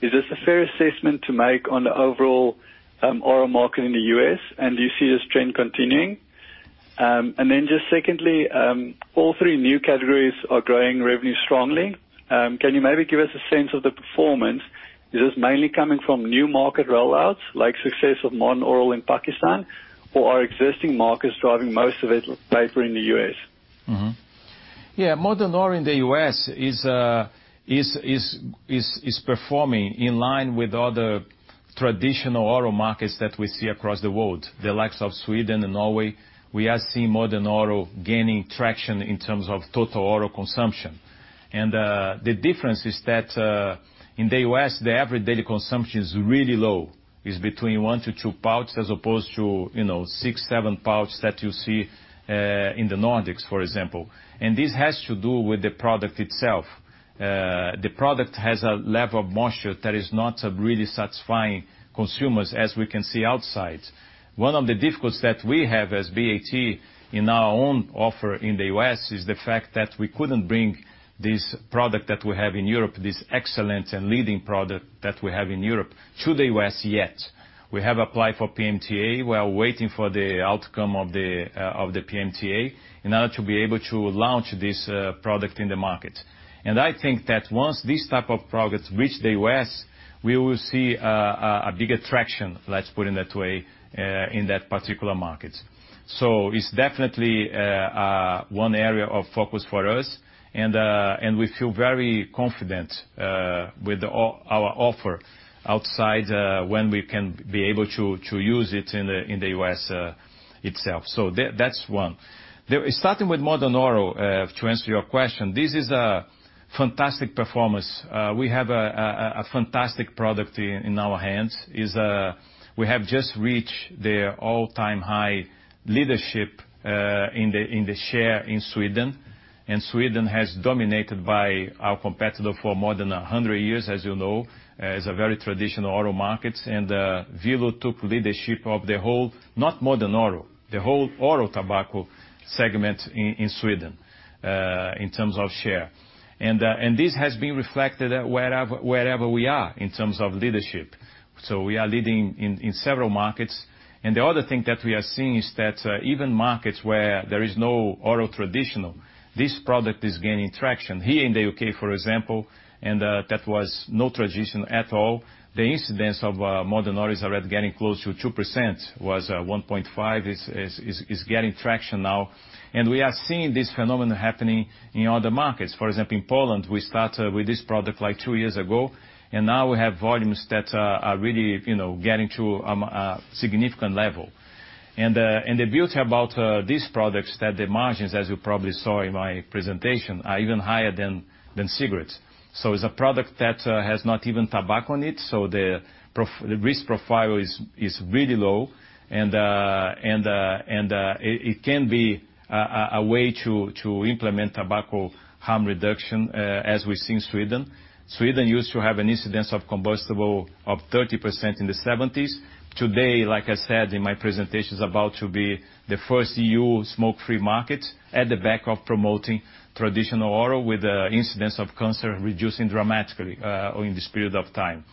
Is this a fair assessment to make on the overall oral market in the U.S., and do you see this trend continuing? Then just secondly, all three new categories are growing revenue strongly. Can you maybe give us a sense of the performance? Is this mainly coming from new market rollouts, like success of Modern Oral in Pakistan, or are existing markets driving most of it, like Vapour in the U.S.? Yeah, Modern Oral in the U.S. is performing in line with other traditional oral markets that we see across the world, the likes of Sweden and Norway. We are seeing Modern Oral gaining traction in terms of total oral consumption. The difference is that in the U.S., the average daily consumption is really low. It's between one to two pouches, as opposed to, you know, six, seven pouches that you see in the Nordics, for example. This has to do with the product itself. The product has a level of moisture that is not really satisfying consumers as we can see outside. One of the difficulties that we have as BAT in our own offer in the U.S., is the fact that we couldn't bring this product that we have in Europe, this excellent and leading product that we have in Europe, to the U.S. yet. We have applied for PMTA. We are waiting for the outcome of the of the PMTA, in order to be able to launch this product in the market. I think that once these type of products reach the U.S., we will see a bigger traction, let's put it that way, in that particular market. It's definitely one area of focus for us, and we feel very confident with our offer outside when we can be able to use it in the U.S. itself. That's one. Starting with Modern Oral, to answer your question, this is a fantastic performance. We have a fantastic product in our hands. We have just reached the all-time high leadership in the share in Sweden, and Sweden has dominated by our competitor for more than 100 years, as you know, is a very traditional oral market. Velo took leadership of the whole, not Modern Oral, the whole oral tobacco segment in Sweden, in terms of share. This has been reflected wherever we are in terms of leadership. We are leading in several markets. The other thing that we are seeing is that even markets where there is no oral traditional, this product is gaining traction. Here in the U.K., for example, and that was no tradition at all, the incidence of Modern Oral is already getting close to 2%, was 1.5%, is getting traction now. We are seeing this phenomenon happening in other markets. For example, in Poland, we started with this product, like, two years ago, and now we have volumes that are really, you know, getting to a significant level. The beauty about these products is that the margins, as you probably saw in my presentation, are even higher than cigarettes. It's a product that has not even tobacco on it, so the risk profile is really low, and it can be a way to implement tobacco harm reduction as we see in Sweden. Sweden used to have an incidence of combustible of 30% in the 1970s. Today, like I said in my presentation, is about to be the first EU smoke-free market at the back of promoting traditional oral, with the incidence of cancer reducing dramatically in this period of time.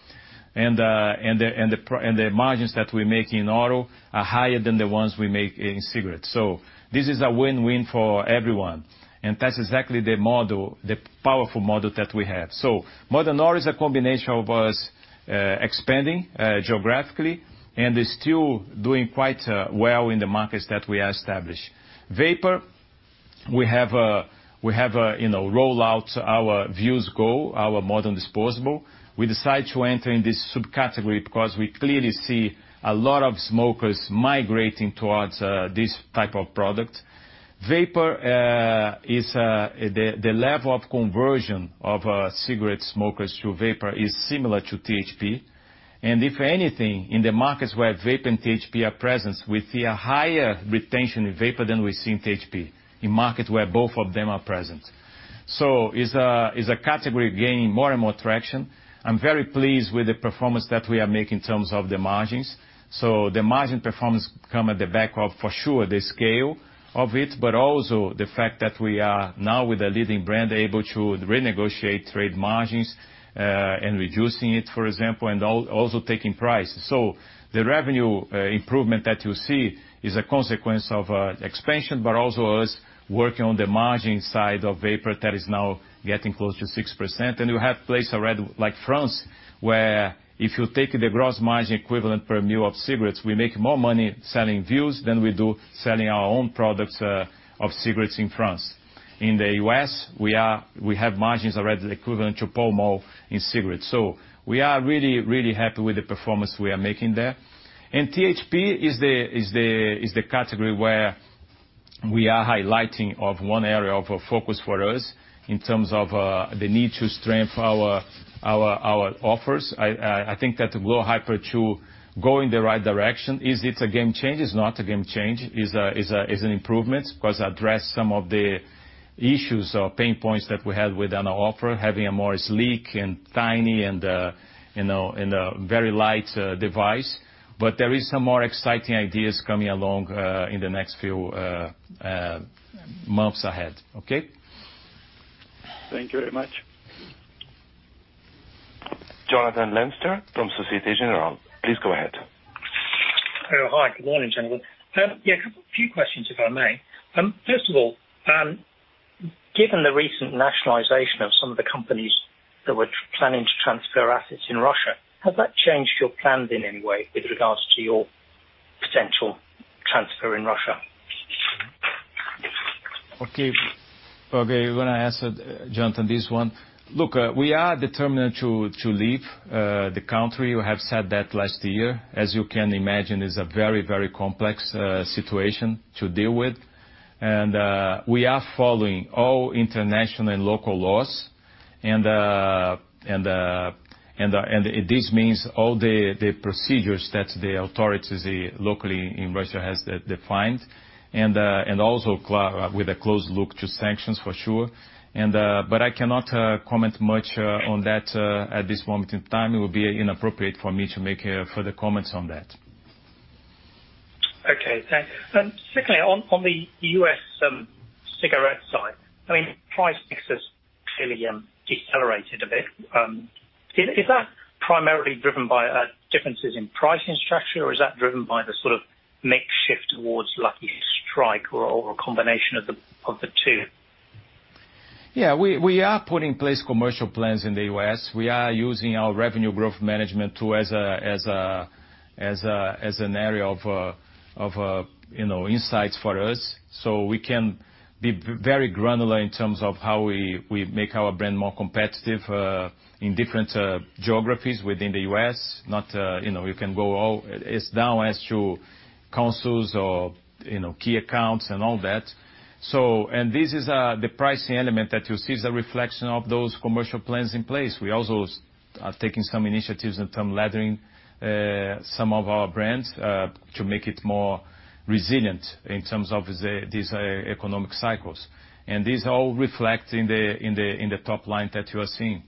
The margins that we make in oral are higher than the ones we make in cigarettes. This is a win-win for everyone, and that's exactly the model, the powerful model that we have. Modern Oral is a combination of us expanding geographically, and is still doing quite well in the markets that we established. Vapour, we have a, you know, roll out our Vuse Go, our modern disposable. We decide to enter in this subcategory because we clearly see a lot of smokers migrating towards this type of product. Vapour is the level of conversion of cigarette smokers to vapour is similar to THP, and if anything, in the markets where vape and THP are present, we see a higher retention in vapour than we see in THP, in markets where both of them are present. It's a category gaining more and more traction. I'm very pleased with the performance that we are making in terms of the margins. The margin performance come at the back of, for sure, the scale of it, but also the fact that we are now, with a leading brand, able to renegotiate trade margins and reducing it, for example, and also taking price. The revenue improvement that you see is a consequence of expansion, but also us working on the margin side of vapour that is now getting close to 6%. You have places already, like France, where if you take the gross margin equivalent per mil of cigarettes, we make more money selling Vuse than we do selling our own products of cigarettes in France. In the U.S., we have margins already equivalent to Pall Mall in cigarettes. We are really, really happy with the performance we are making there. THP is the category where we are highlighting of one area of a focus for us in terms of the need to strengthen our offers. I think that the glo HYPER X2 going in the right direction. Is it a game changer? It's not a game changer. Is an improvement, 'cause address some of the issues or pain points that we had with our offer, having a more sleek and tiny and, you know, and a very light device. There is some more exciting ideas coming along in the next few months ahead. Okay? Thank you very much. Jonathan Leinster from Société Générale, please go ahead. Oh, hi. Good morning, gentlemen. Yeah, a couple, few questions, if I may. First of all, given the recent nationalization of some of the companies that were planning to transfer assets in Russia, has that changed your plans in any way with regards to your potential transfer in Russia? Okay. Okay, I'm gonna answer, Jonathan, this one. Look, we are determined to leave the country. We have said that last year. As you can imagine, it's a very, very complex situation to deal with, and we are following all international and local laws, and this means all the procedures that the authorities locally in Russia has defined, and with a close look to sanctions, for sure. I cannot comment much on that at this moment in time. It would be inappropriate for me to make further comments on that. Okay, thanks. Secondly, on the U.S. cigarette side, I mean, price mix has clearly decelerated a bit. Is that primarily driven by differences in pricing structure, or is that driven by the sort of mix shift towards Lucky Strike or a combination of the two? Yeah, we are putting in place commercial plans in the U.S. We are using our Revenue Growth Management, too, as an area of, you know, insights for us, so we can be very granular in terms of how we make our brand more competitive in different geographies within the U.S. Not, you know, we can go all, It's down as to councils or, you know, key accounts and all that. And this is, the pricing element that you see is a reflection of those commercial plans in place. We also are taking some initiatives in term of laddering some of our brands to make it more resilient in terms of this economic cycles. These all reflect in the top line that you are seeing.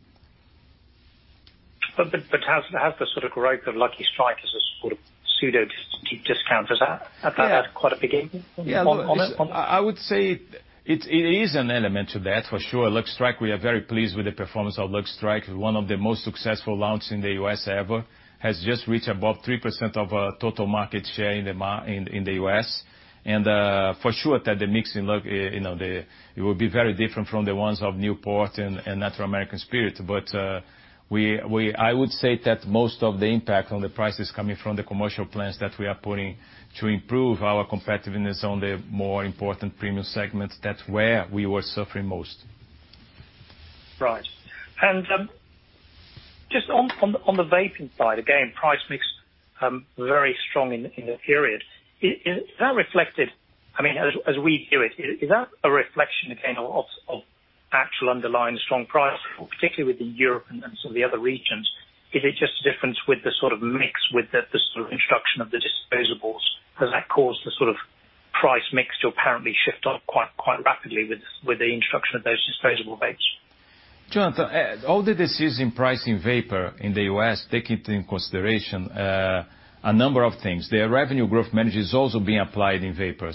Has the sort of growth of Lucky Strike as a sort of pseudo discount, does that? Yeah. Have quite a big impact on it? I would say it is an element to that, for sure. Lucky Strike, we are very pleased with the performance of Lucky Strike, one of the most successful launch in the U.S. ever. Has just reached above 3% of total market share in the U.S. For sure, that the mix in Luck, you know, It will be very different from the ones of Newport and Natural American Spirit. I would say that most of the impact on the prices coming from the commercial plans that we are putting to improve our competitiveness on the more important premium segments, that's where we were suffering most. Right. Just on the vaping side, again, price mix, very strong in the period. Is that reflected, as we hear it, is that a reflection again, of actual underlying strong price, particularly with the Europe and some of the other regions? Is it just the difference with the sort of mix, with the sort of introduction of the disposables? Has that caused the sort of price mix to apparently shift up rapidly with the introduction of those disposable vapes? Jonathan, all the decisions in pricing vapour in the U.S., taking into consideration a number of things. The Revenue Growth Manager is also being applied in vapour.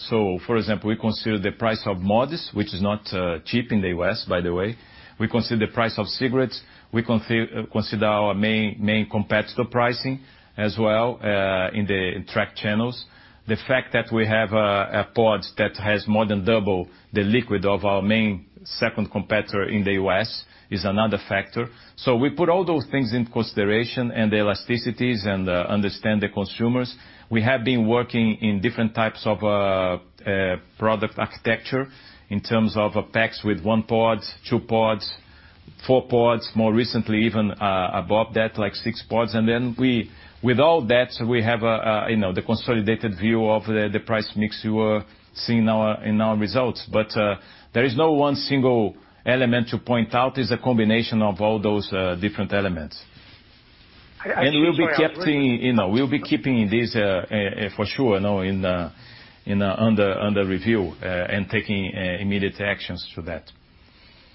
For example, we consider the price of modest, which is not cheap in the U.S., by the way. We consider the price of cigarettes, we consider our main competitor pricing as well, in the track channels. The fact that we have a pod that has more than double the liquid of our main second competitor in the U.S. is another factor. We put all those things in consideration, and the elasticities, and understand the consumers. We have been working in different types of product architecture in terms of packs with one pods, two pods, four pods, more recently, even above that, like six pods. Then we, with all that, we have a, you know, the consolidated view of the price mix you are seeing in our results. There is no one single element to point out, it's a combination of all those different elements. I. We'll be keeping, you know, we'll be keeping this, for sure, you know, in, under review, and taking immediate actions to that.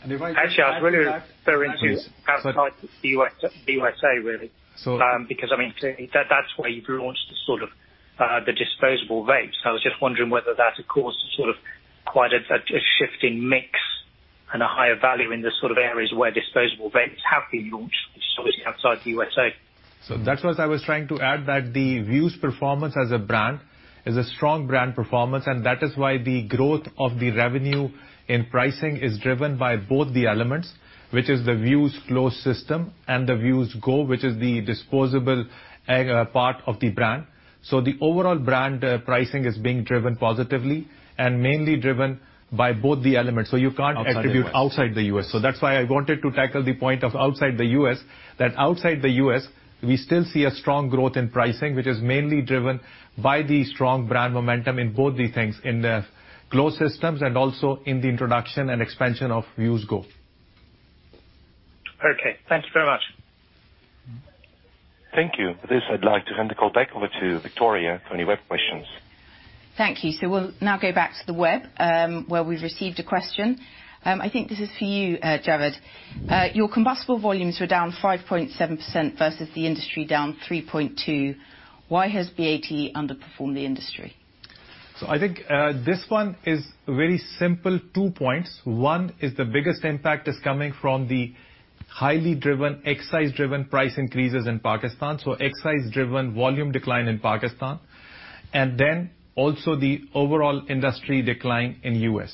And if I. Actually, I was really very into outside the U.S., the USA, really. So. I mean, that's where you've launched the disposable vapes. I was just wondering whether that, of course, is sort of quite a shift in mix and a higher value in the sort of areas where disposable vapes have been launched, obviously outside the USA. That's what I was trying to add, that the Vuse performance as a brand is a strong brand performance, and that is why the growth of the revenue in pricing is driven by both the elements, which is the Vuse closed system and the Vuse Go, which is the disposable part of the brand. The overall brand, pricing is being driven positively and mainly driven by both the elements. Outside the U.S. Attribute outside the U.S. That's why I wanted to tackle the point of outside the U.S., that outside the U.S., we still see a strong growth in pricing, which is mainly driven by the strong brand momentum in both the things, in the closed systems and also in the introduction and expansion of Vuse Go. Okay, thank you very much. Thank you. For this, I'd like to hand the call back over to Victoria for any web questions. Thank you. We'll now go back to the web, where we've received a question. I think this is for you, Javed. Your combustible volumes were down 5.7% versus the industry down 3.2%. Why has BAT underperformed the industry? I think, this one is very simple, two points. One, is the biggest impact is coming from the highly driven, excise-driven price increases in Pakistan, so excise-driven volume decline in Pakistan, and then also the overall industry decline in U.S.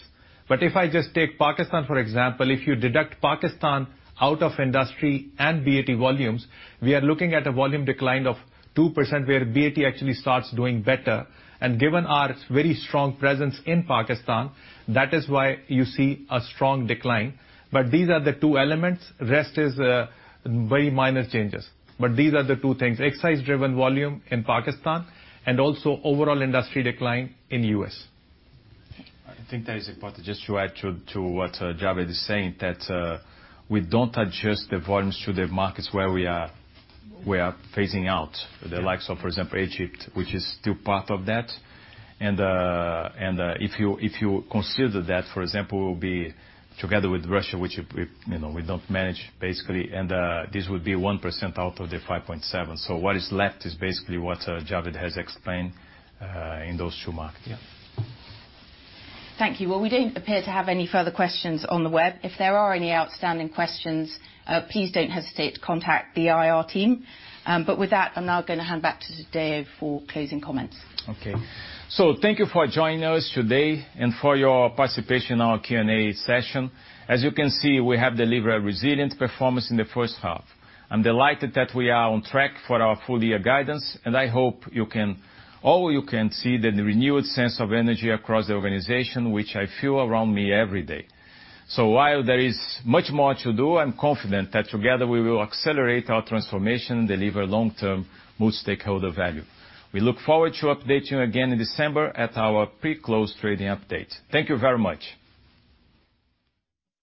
If I just take Pakistan, for example, if you deduct Pakistan out of industry and BAT volumes, we are looking at a volume decline of 2%, where BAT actually starts doing better. Given our very strong presence in Pakistan, that is why you see a strong decline. These are the two elements, rest is, very minor changes. These are the two things, excise-driven volume in Pakistan, and also overall industry decline in U.S. I think that is important, just to add to what Javed is saying, that we don't adjust the volumes to the markets where we are, we are phasing out. The likes of, for example, Egypt, which is still part of that. If you, if you consider that, for example, will be together with Russia, which, we, you know, we don't manage basically, and, this would be 1% out of the 5.7%. What is left is basically what Javed has explained in those two markets. Yeah. Thank you. Well, we don't appear to have any further questions on the web. If there are any outstanding questions, please don't hesitate to contact the IR team. With that, I'm now gonna hand back to Tadeu for closing comments. Okay. Thank you for joining us today and for your participation in our Q&A session. As you can see, we have delivered a resilient performance in the first half. I'm delighted that we are on track for our full year guidance, and I hope all you can see the renewed sense of energy across the organization, which I feel around me every day. While there is much more to do, I'm confident that together, we will accelerate our transformation and deliver long-term multi-stakeholder value. We look forward to update you again in December at our pre-close trading update. Thank you very much!